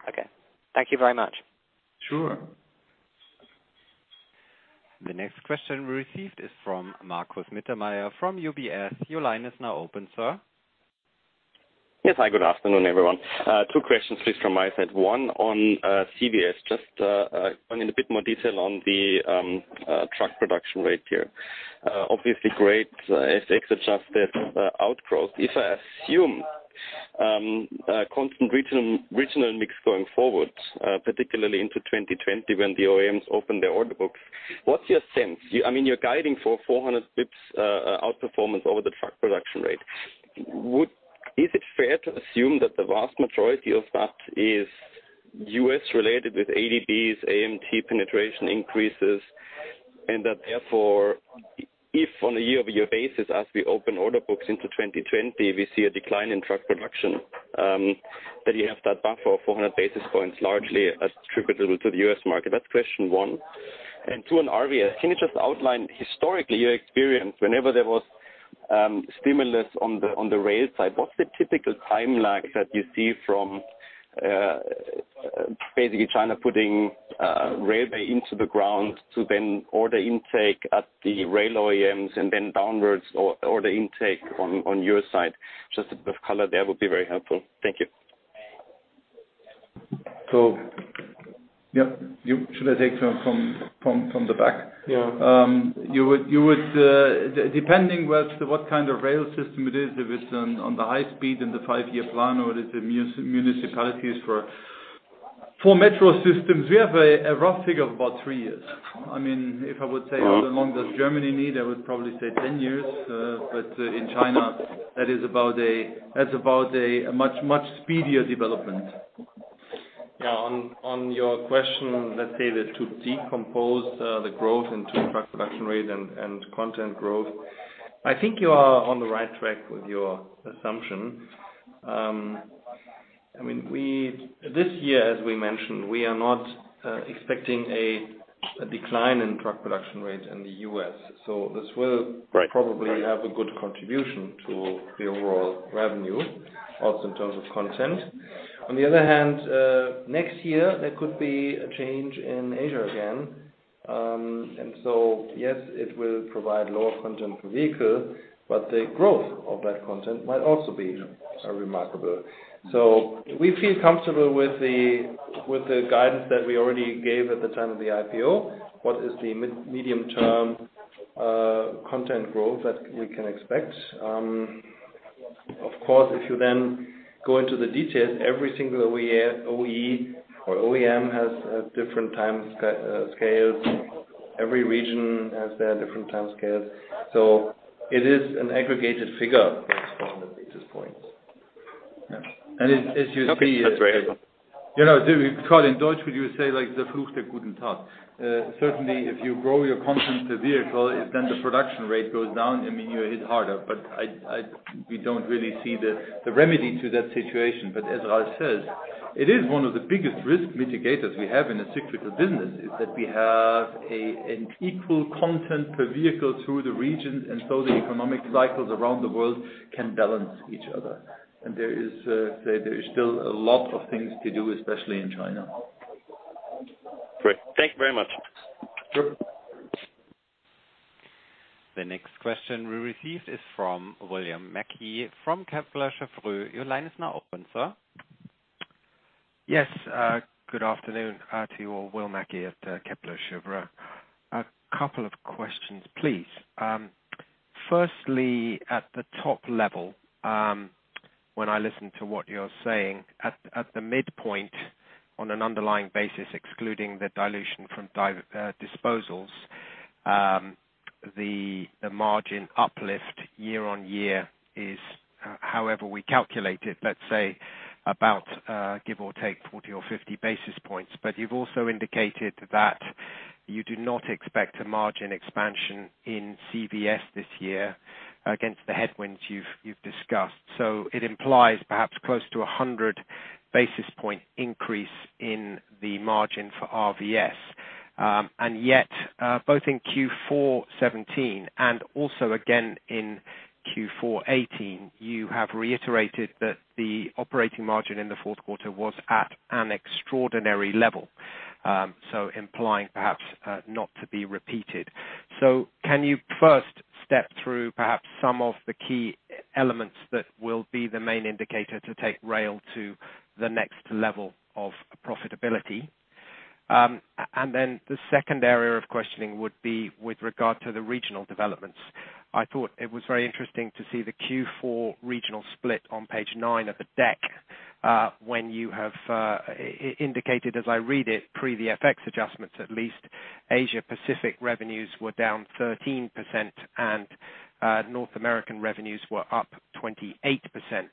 Okay. Thank you very much. Sure. The next question we received is from Marcus Mittermeier from UBS. Your line is now open, sir. Yes. Hi, good afternoon, everyone. Two questions, please, from my side. One on CVS, just going in a bit more detail on the truck production rate here. Obviously great FX-adjusted outgrowth. If I assume a constant regional mix going forward, particularly into 2020 when the OEMs open their order books, what's your sense? You're guiding for 400 basis points outperformance over the truck production rate. Is it fair to assume that the vast majority of that is U.S. related with ADBs, AMT penetration increases, and that therefore, if on a year-over-year basis, as we open order books into 2020, we see a decline in truck production, that you have that buffer of 400 basis points largely attributable to the U.S. market? That's question one. Two on RVS. Can you just outline historically your experience whenever there was stimulus on the rail side, what's the typical timeline that you see from basically China putting railway into the ground to then order intake at the rail OEMs and then downwards or the intake on your side? Just a bit of color there would be very helpful. Thank you. Should I take from the back? Yeah. Depending what kind of rail system it is, if it is on the high speed in the five-year plan, or it is the municipalities for metro systems. We have a rough figure of about three years. If I would say how long does Germany need, I would probably say 10 years, but in China, that is about a much speedier development. Yeah. On your question, let's say that to decompose the growth into truck production rate and content growth, I think you are on the right track with your assumption. This year, as we mentioned, we are not expecting a decline in truck production rates in the U.S. So. Right probably have a good contribution to the overall revenue, also in terms of content. On the other hand, next year there could be a change in Asia again. Yes, it will provide lower content per vehicle, but the growth of that content might also be remarkable. We feel comfortable with the guidance that we already gave at the time of the IPO. What is the medium-term content growth that we can expect? Of course, if you then go into the details, every single OE or OEM has a different time scale. Every region has their different time scales. It is an aggregated figure, those 400 basis points. Okay. That's very helpful. Karl, in Deutsch, we do say like the there is still a lot of things to do, especially in China. Great. Thank you very much. Sure. The next question we received is from William Mackie from Kepler Cheuvreux. Your line is now open, sir. Yes. Good afternoon to you all. Will Mackie at Kepler Cheuvreux. A couple of questions, please. Firstly, at the top level, when I listen to what you're saying, at the midpoint on an underlying basis, excluding the dilution from disposals, the margin uplift year-on-year is, however we calculate it, let's say about, give or take 40 or 50 basis points. You've also indicated that you do not expect a margin expansion in CVS this year against the headwinds you've discussed. It implies perhaps close to 100 basis point increase in the margin for RVS. Yet, both in Q4 2017 and also again in Q4 2018, you have reiterated that the operating margin in the fourth quarter was at an extraordinary level. Implying perhaps, not to be repeated. Can you first step through perhaps some of the key elements that will be the main indicator to take rail to the next level of profitability? The second area of questioning would be with regard to the regional developments. I thought it was very interesting to see the Q4 regional split on page nine of the deck, when you have indicated, as I read it, pre the FX adjustments, at least Asia Pacific revenues were down 13% and North American revenues were up 28%.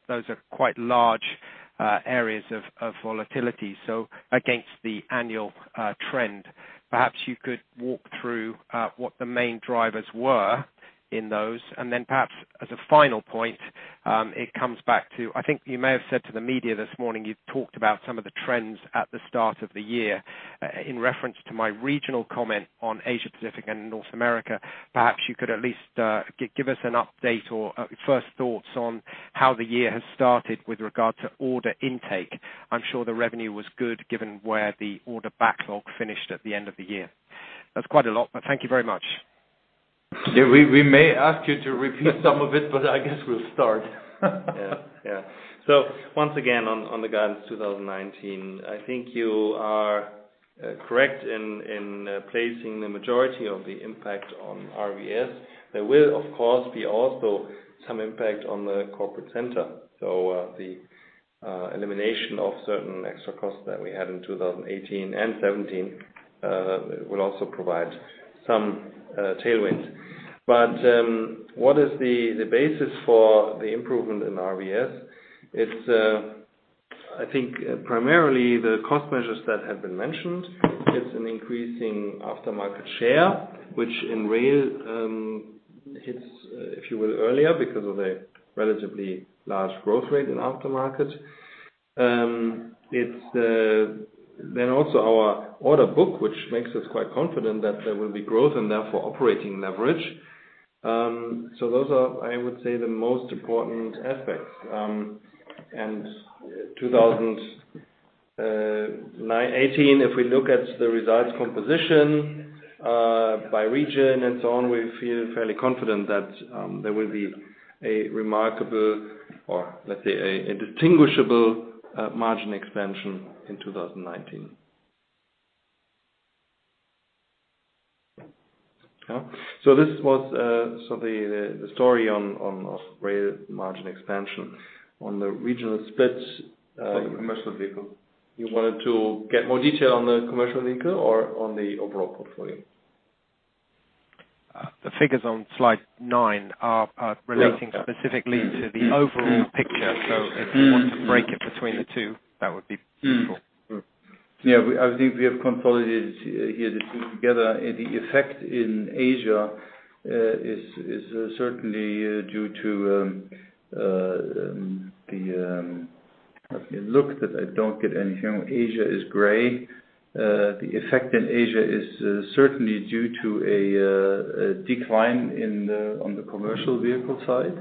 Those are quite large areas of volatility, against the annual trend. Perhaps you could walk through what the main drivers were in those, and then perhaps as a final point, it comes back to, I think you may have said to the media this morning, you talked about some of the trends at the start of the year. In reference to my regional comment on Asia Pacific and North America, perhaps you could at least give us an update or first thoughts on how the year has started with regard to order intake. I'm sure the revenue was good given where the order backlog finished at the end of the year. That's quite a lot. Thank you very much. We may ask you to repeat some of it. I guess we'll start. Once again, on the guidance 2019, I think you are correct in placing the majority of the impact on RVS. There will of course, be also some impact on the corporate center. The elimination of certain extra costs that we had in 2018 and 2017 will also provide some tailwinds. What is the basis for the improvement in RVS? It's, I think primarily the cost measures that have been mentioned. It's an increasing aftermarket share, which in rail hits, if you will, earlier because of a relatively large growth rate in aftermarket. It's then also our order book, which makes us quite confident that there will be growth and therefore operating leverage. Those are, I would say, the most important aspects. 2018, if we look at the results composition by region and so on, we feel fairly confident that there will be a remarkable or, let's say, a distinguishable margin expansion in 2019. This was the story on rail margin expansion. On the regional split- On the commercial vehicle. You wanted to get more detail on the commercial vehicle or on the overall portfolio? The figures on slide nine are relating specifically to the overall picture. If you want to break it between the two, that would be useful. I think we have consolidated here the two together. The effect in Asia is certainly due to the Let me look that I don't get anything. Asia is gray. The effect in Asia is certainly due to a decline on the commercial vehicle side.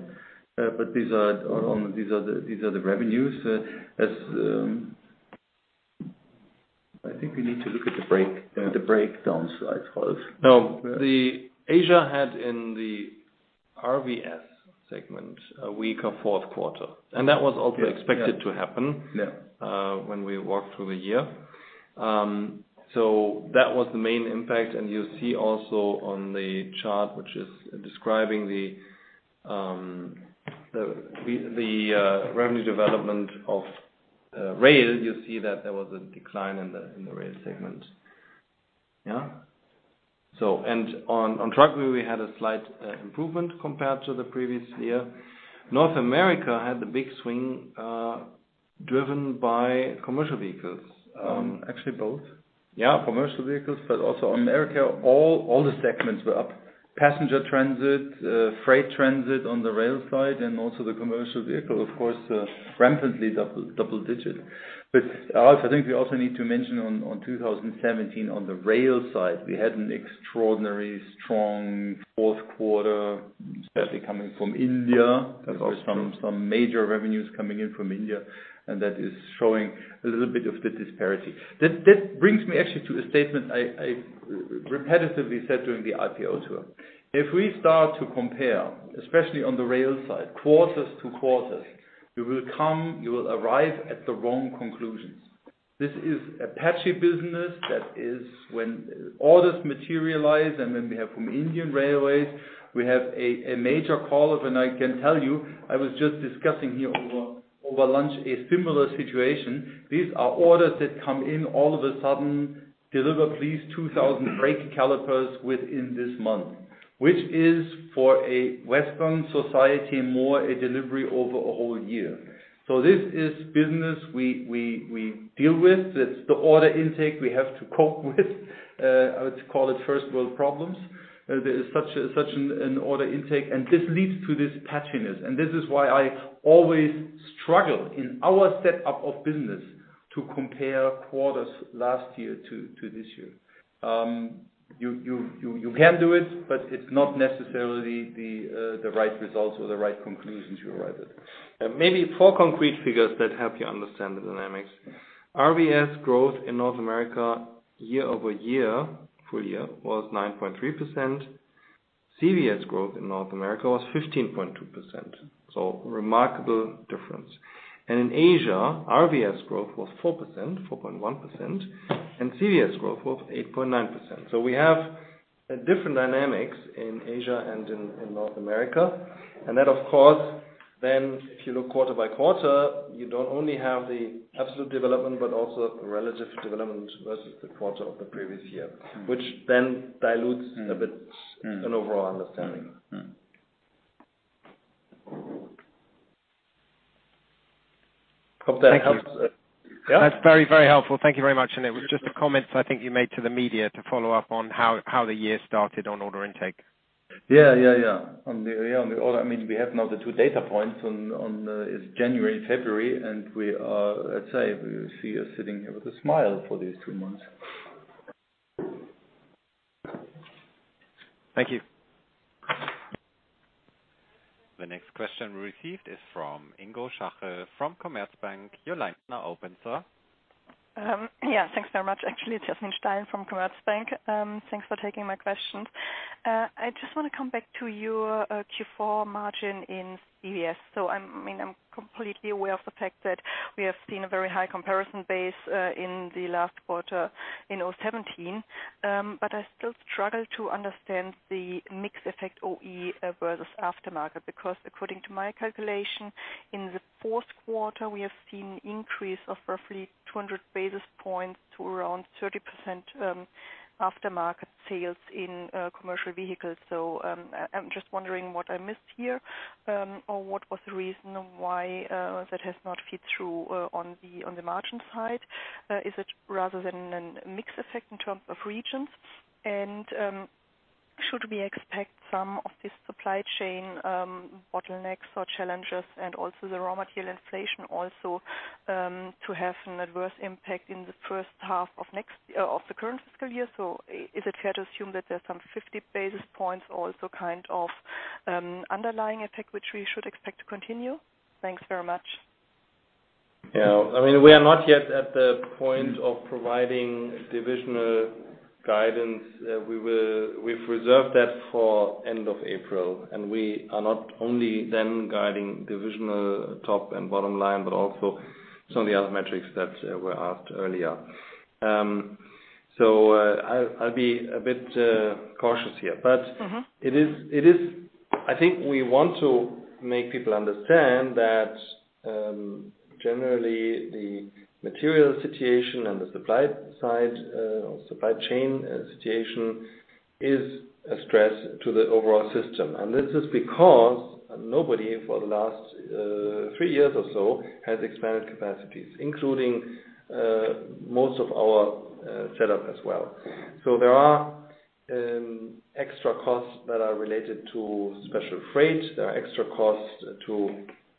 These are the revenues as I think we need to look at the breakdown slide, Ralph. Asia had in the RVS segment a weaker fourth quarter, that was also expected to happen- Yeah when we walked through the year. That was the main impact. You see also on the chart, which is describing the revenue development of rail, you see that there was a decline in the rail segment. Yeah. On truck, we had a slight improvement compared to the previous year. North America had the big swing driven by commercial vehicles. Actually, both. Yeah. Commercial vehicles. Also on America, all the segments were up. Passenger transit, freight transit on the rail side, also the commercial vehicle, of course, rampantly double-digit. Ralph, I think we also need to mention on 2017 on the rail side, we had an extraordinarily strong fourth quarter. Especially coming from India. There were some major revenues coming in from India. That is showing a little bit of the disparity. That brings me actually to a statement I repetitively said during the IPO tour. We start to compare, especially on the rail side, quarters to quarters, you will arrive at the wrong conclusions. This is a patchy business. That is when orders materialize. We have from Indian Railways, we have a major caller. I can tell you, I was just discussing here over lunch a similar situation. These are orders that come in all of a sudden, deliver these 2,000 brake calipers within this month. Which is for a Western society, more a delivery over a whole year. This is business we deal with. That's the order intake we have to cope with. I would call it first world problems. There is such an order intake. This leads to this patchiness. This is why I always struggle in our setup of business to compare quarters last year to this year. You can do it. It's not necessarily the right results or the right conclusions you arrive at. Maybe four concrete figures that help you understand the dynamics. RVS growth in North America, year-over-year, full year, was 9.3%. CVS growth in North America was 15.2%. Remarkable difference. In Asia, RVS growth was 4.1%. CVS growth was 8.9%. We have different dynamics in Asia and in North America. That, of course, if you look quarter by quarter, you don't only have the absolute development, also the relative development versus the quarter of the previous year, which dilutes a bit an overall understanding. Hope that helps. Thank you. Yeah. That's very helpful. Thank you very much. It was just the comments I think you made to the media to follow up on how the year started on order intake. On the order, we have now the two data points, is January, February, and we are, let's say, we see us sitting here with a smile for these two months. Thank you. The next question we received is from Ingo Schachel, from Commerzbank. Your line's now open, sir. Thanks very much. Jasmin Stein from Commerzbank. Thanks for taking my questions. I just want to come back to your Q4 margin in CVS. I'm completely aware of the fact that we have seen a very high comparison base, in the last quarter in 2017. I still struggle to understand the mix effect OE, versus aftermarket, because according to my calculation, in the fourth quarter, we have seen increase of roughly 200 basis points to around 30%, aftermarket sales in commercial vehicles. I'm just wondering what I missed here, or what was the reason why that has not feed through on the margin side. Is it rather than a mix effect in terms of regions? Should we expect some of this supply chain bottlenecks or challenges and also the raw material inflation also to have an adverse impact in the first half of the current fiscal year? Is it fair to assume that there's some 50 basis points also underlying effect, which we should expect to continue? Thanks very much. We are not yet at the point of providing divisional guidance. We've reserved that for end of April, we are not only then guiding divisional top and bottom line, but also some of the other metrics that were asked earlier. I'll be a bit cautious here. I think we want to make people understand that, generally the material situation and the supply side or supply chain situation is a stress to the overall system. This is because nobody, for the last three years or so, has expanded capacities, including most of our setup as well. There are extra costs that are related to special freight. There are extra costs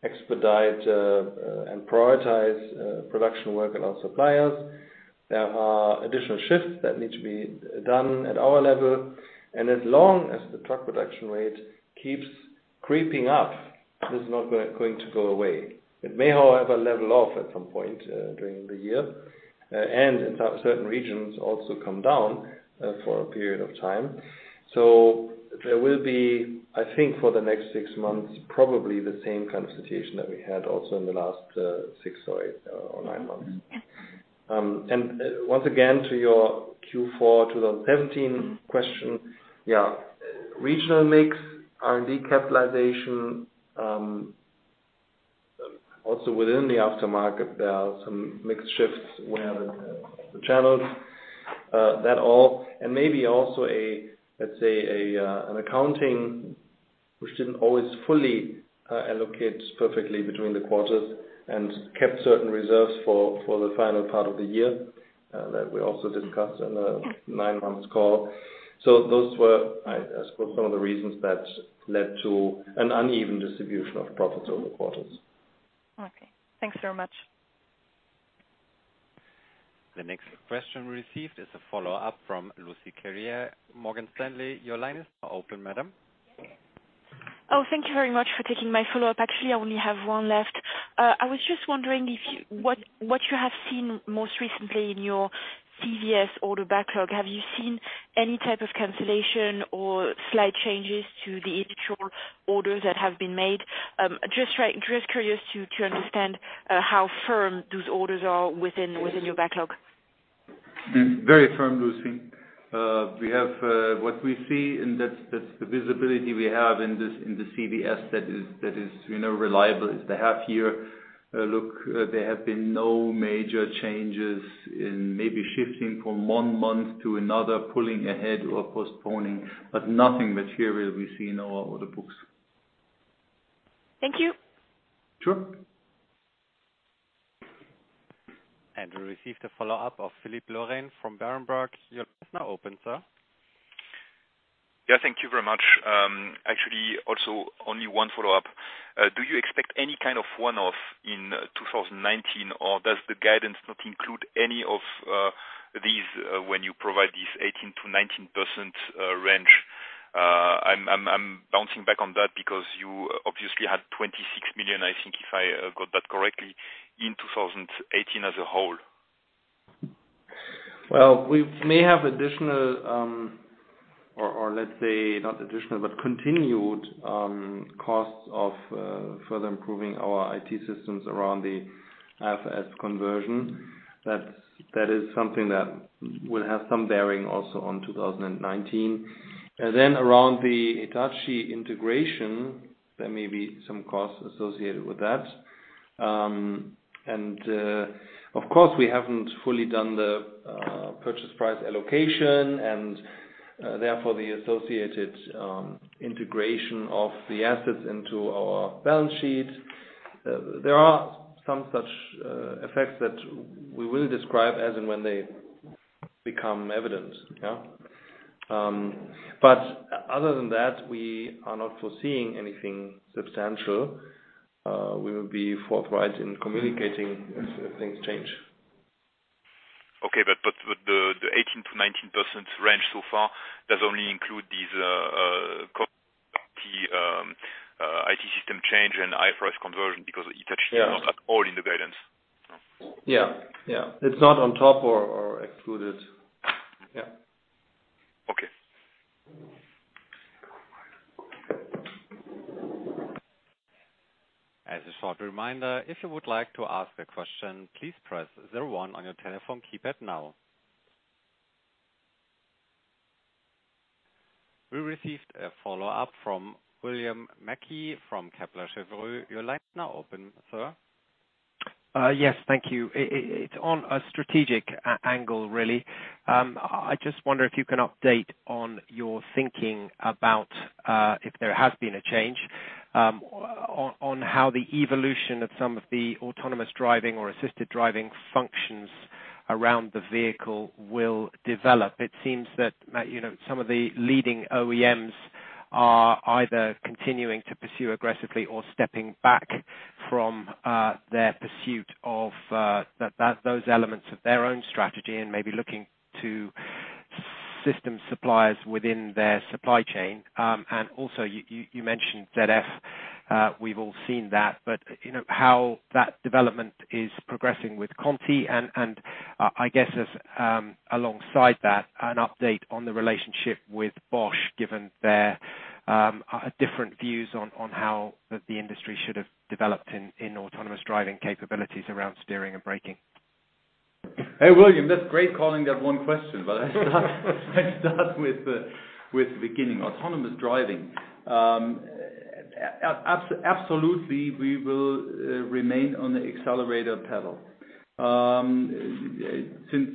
to expedite and prioritize production work and our suppliers. There are additional shifts that need to be done at our level. As long as the truck production rate keeps creeping up, this is not going to go away. It may, however, level off at some point, during the year. In certain regions also come down for a period of time. There will be, I think for the next six months, probably the same kind of situation that we had also in the last six or eight or nine months. Yeah. Once again, to your Q4 2017 question, yeah. Regional mix, R&D capitalization, also within the aftermarket, there are some mixed shifts where the channels, that all and maybe also, let's say, an accounting, which didn't always fully allocate perfectly between the quarters and kept certain reserves for the final part of the year, that we also discussed in the nine months call. Those were, I suppose, some of the reasons that led to an uneven distribution of profits over quarters. Okay. Thanks very much. The next question received is a follow-up from Lucie Carriere, Morgan Stanley. Your line is now open, madam. Oh, thank you very much for taking my follow-up. Actually, I only have one left. I was just wondering what you have seen most recently in your CVS order backlog. Have you seen any type of cancellation or slight changes to the initial orders that have been made? Just curious to understand how firm those orders are within your backlog. Very firm, Lucie. What we see, and that's the visibility we have in the CVS that is reliable, is the half year look. There have been no major changes in maybe shifting from one month to another, pulling ahead or postponing, nothing material we see in our order books. Thank you. Sure. We receive the follow-up of Philippe Laurent from Berenberg. Your line is now open, sir. Thank you very much. Actually, also, only one follow-up. Do you expect any kind of one-off in 2019, or does the guidance not include any of these when you provide this 18%-19% range? I am bouncing back on that because you obviously had 26 million, I think, if I got that correctly, in 2018 as a whole. Well, we may have additional, or let's say not additional, but continued costs of further improving our IT systems around the IFRS conversion. That is something that will have some bearing also on 2019. Around the Hitachi integration, there may be some costs associated with that. Of course, we haven't fully done the purchase price allocation and therefore the associated integration of the assets into our balance sheet. There are some such effects that we will describe as and when they become evident. Other than that, we are not foreseeing anything substantial. We will be forthright in communicating if things change. Okay, with the 18%-19% range so far, does only include these IT system change and IFRS conversion because Hitachi- Yeah is not at all in the guidance. Yeah. It's not on top or excluded. Yeah. Okay. As a short reminder, if you would like to ask a question, please press zero one on your telephone keypad now. We received a follow-up from William Mackie from Kepler Cheuvreux. Your line is now open, sir. Yes, thank you. It's on a strategic angle, really. I just wonder if you can update on your thinking about, if there has been a change, on how the evolution of some of the autonomous driving or assisted driving functions around the vehicle will develop. It seems that some of the leading OEMs are either continuing to pursue aggressively or stepping back from their pursuit of those elements of their own strategy and maybe looking to system suppliers within their supply chain. Also, you mentioned ZF, we've all seen that, but how that development is progressing with Conti and, I guess as alongside that, an update on the relationship with Bosch, given their different views on how the industry should have developed in autonomous driving capabilities around steering and braking. Hey, William, that's great calling that one question. Let's start with the beginning. Autonomous driving. Absolutely we will remain on the accelerator pedal. Since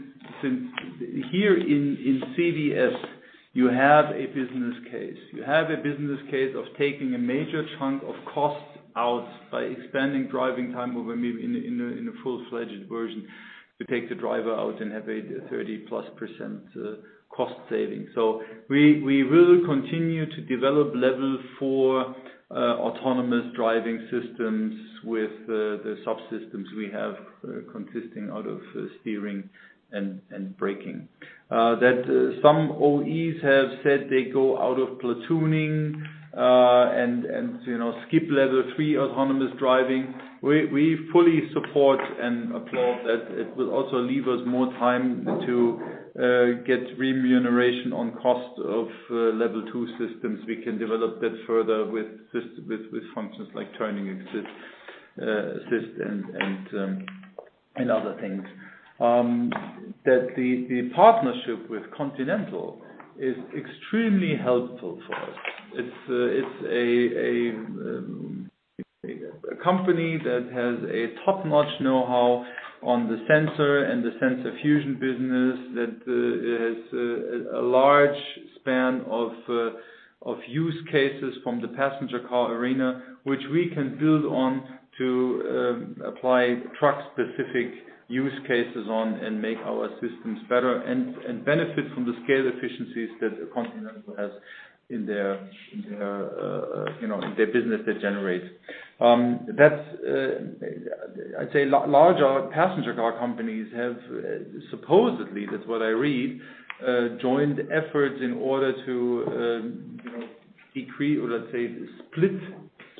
here in CVS, you have a business case. You have a business case of taking a major chunk of costs out by expanding driving time over maybe in a full-fledged version. We take the driver out and have a 30+% cost saving. We will continue to develop level 4 autonomous driving systems with the subsystems we have, consisting out of steering and braking. That some OEs have said they go out of platooning and skip level 3 autonomous driving, we fully support and applaud that. It will also leave us more time to get remuneration on cost of level 2 systems. We can develop that further with functions like turning assist and other things. The partnership with Continental is extremely helpful for us. It's a company that has a top-notch know-how on the sensor and the sensor fusion business that has a large span of Of use cases from the passenger car arena, which we can build on to apply truck specific use cases on and make our systems better and benefit from the scale efficiencies that Continental has in their business they generate. I'd say larger passenger car companies have supposedly, that's what I read, joined efforts in order to decrease or let's say, split,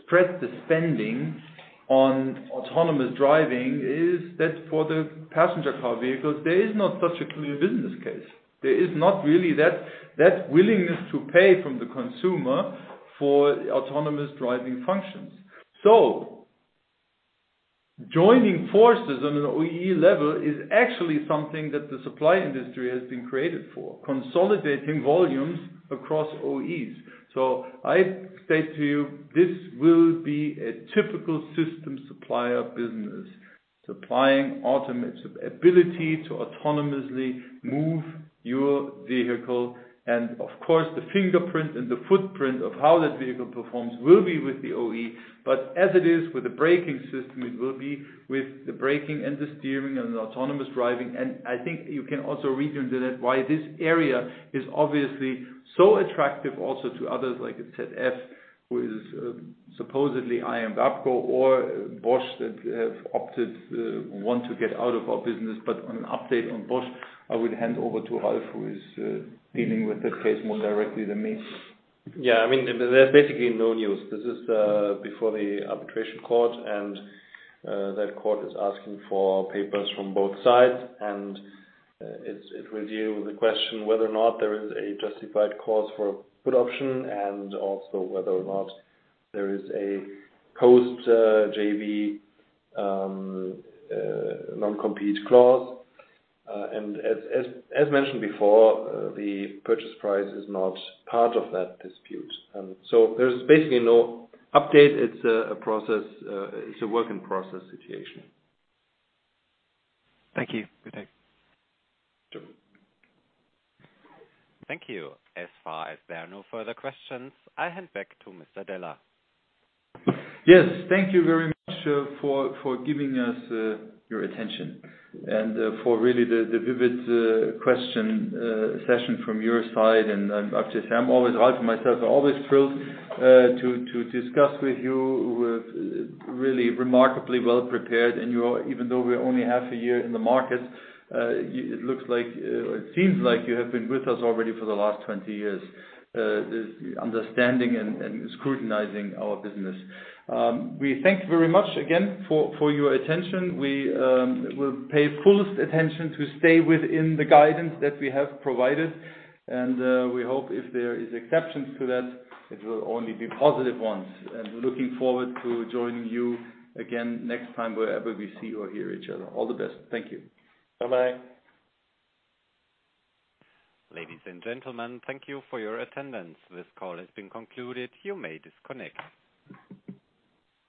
spread the spending on autonomous driving is that for the passenger car vehicles, there is not such a clear business case. There is not really that willingness to pay from the consumer for autonomous driving functions. Joining forces on an OE level is actually something that the supply industry has been created for, consolidating volumes across OEs. I state to you, this will be a typical system supplier business, supplying ability to autonomously move your vehicle. Of course, the fingerprint and the footprint of how that vehicle performs will be with the OE. As it is with the braking system, it will be with the braking and the steering and the autonomous driving. I think you can also read into that why this area is obviously so attractive also to others like ZF, who is supposedly WABCO or Bosch that have opted, want to get out of our business. On an update on Bosch, I would hand over to Ralph, who is dealing with that case more directly than me. Yeah. There's basically no news. This is before the arbitration court, that court is asking for papers from both sides. It will deal with the question whether or not there is a justified cause for put option, also whether or not there is a post JV non-compete clause. As mentioned before, the purchase price is not part of that dispute. There's basically no update. It's a work in process situation. Thank you. Good day. Sure. Thank you. As far as there are no further questions, I hand back to Mr. Deller. Yes, thank you very much for giving us your attention and for really the vivid question session from your side. I have to say, I'm always, Ralph and myself are always thrilled to discuss with you, who have really remarkably well prepared. Even though we're only half a year in the market, it seems like you have been with us already for the last 20 years, understanding and scrutinizing our business. We thank you very much again for your attention. We will pay fullest attention to stay within the guidance that we have provided. We hope if there is exceptions to that, it will only be positive ones. Looking forward to joining you again next time wherever we see or hear each other. All the best. Thank you. Bye-bye. Ladies and gentlemen, thank you for your attendance. This call has been concluded. You may disconnect.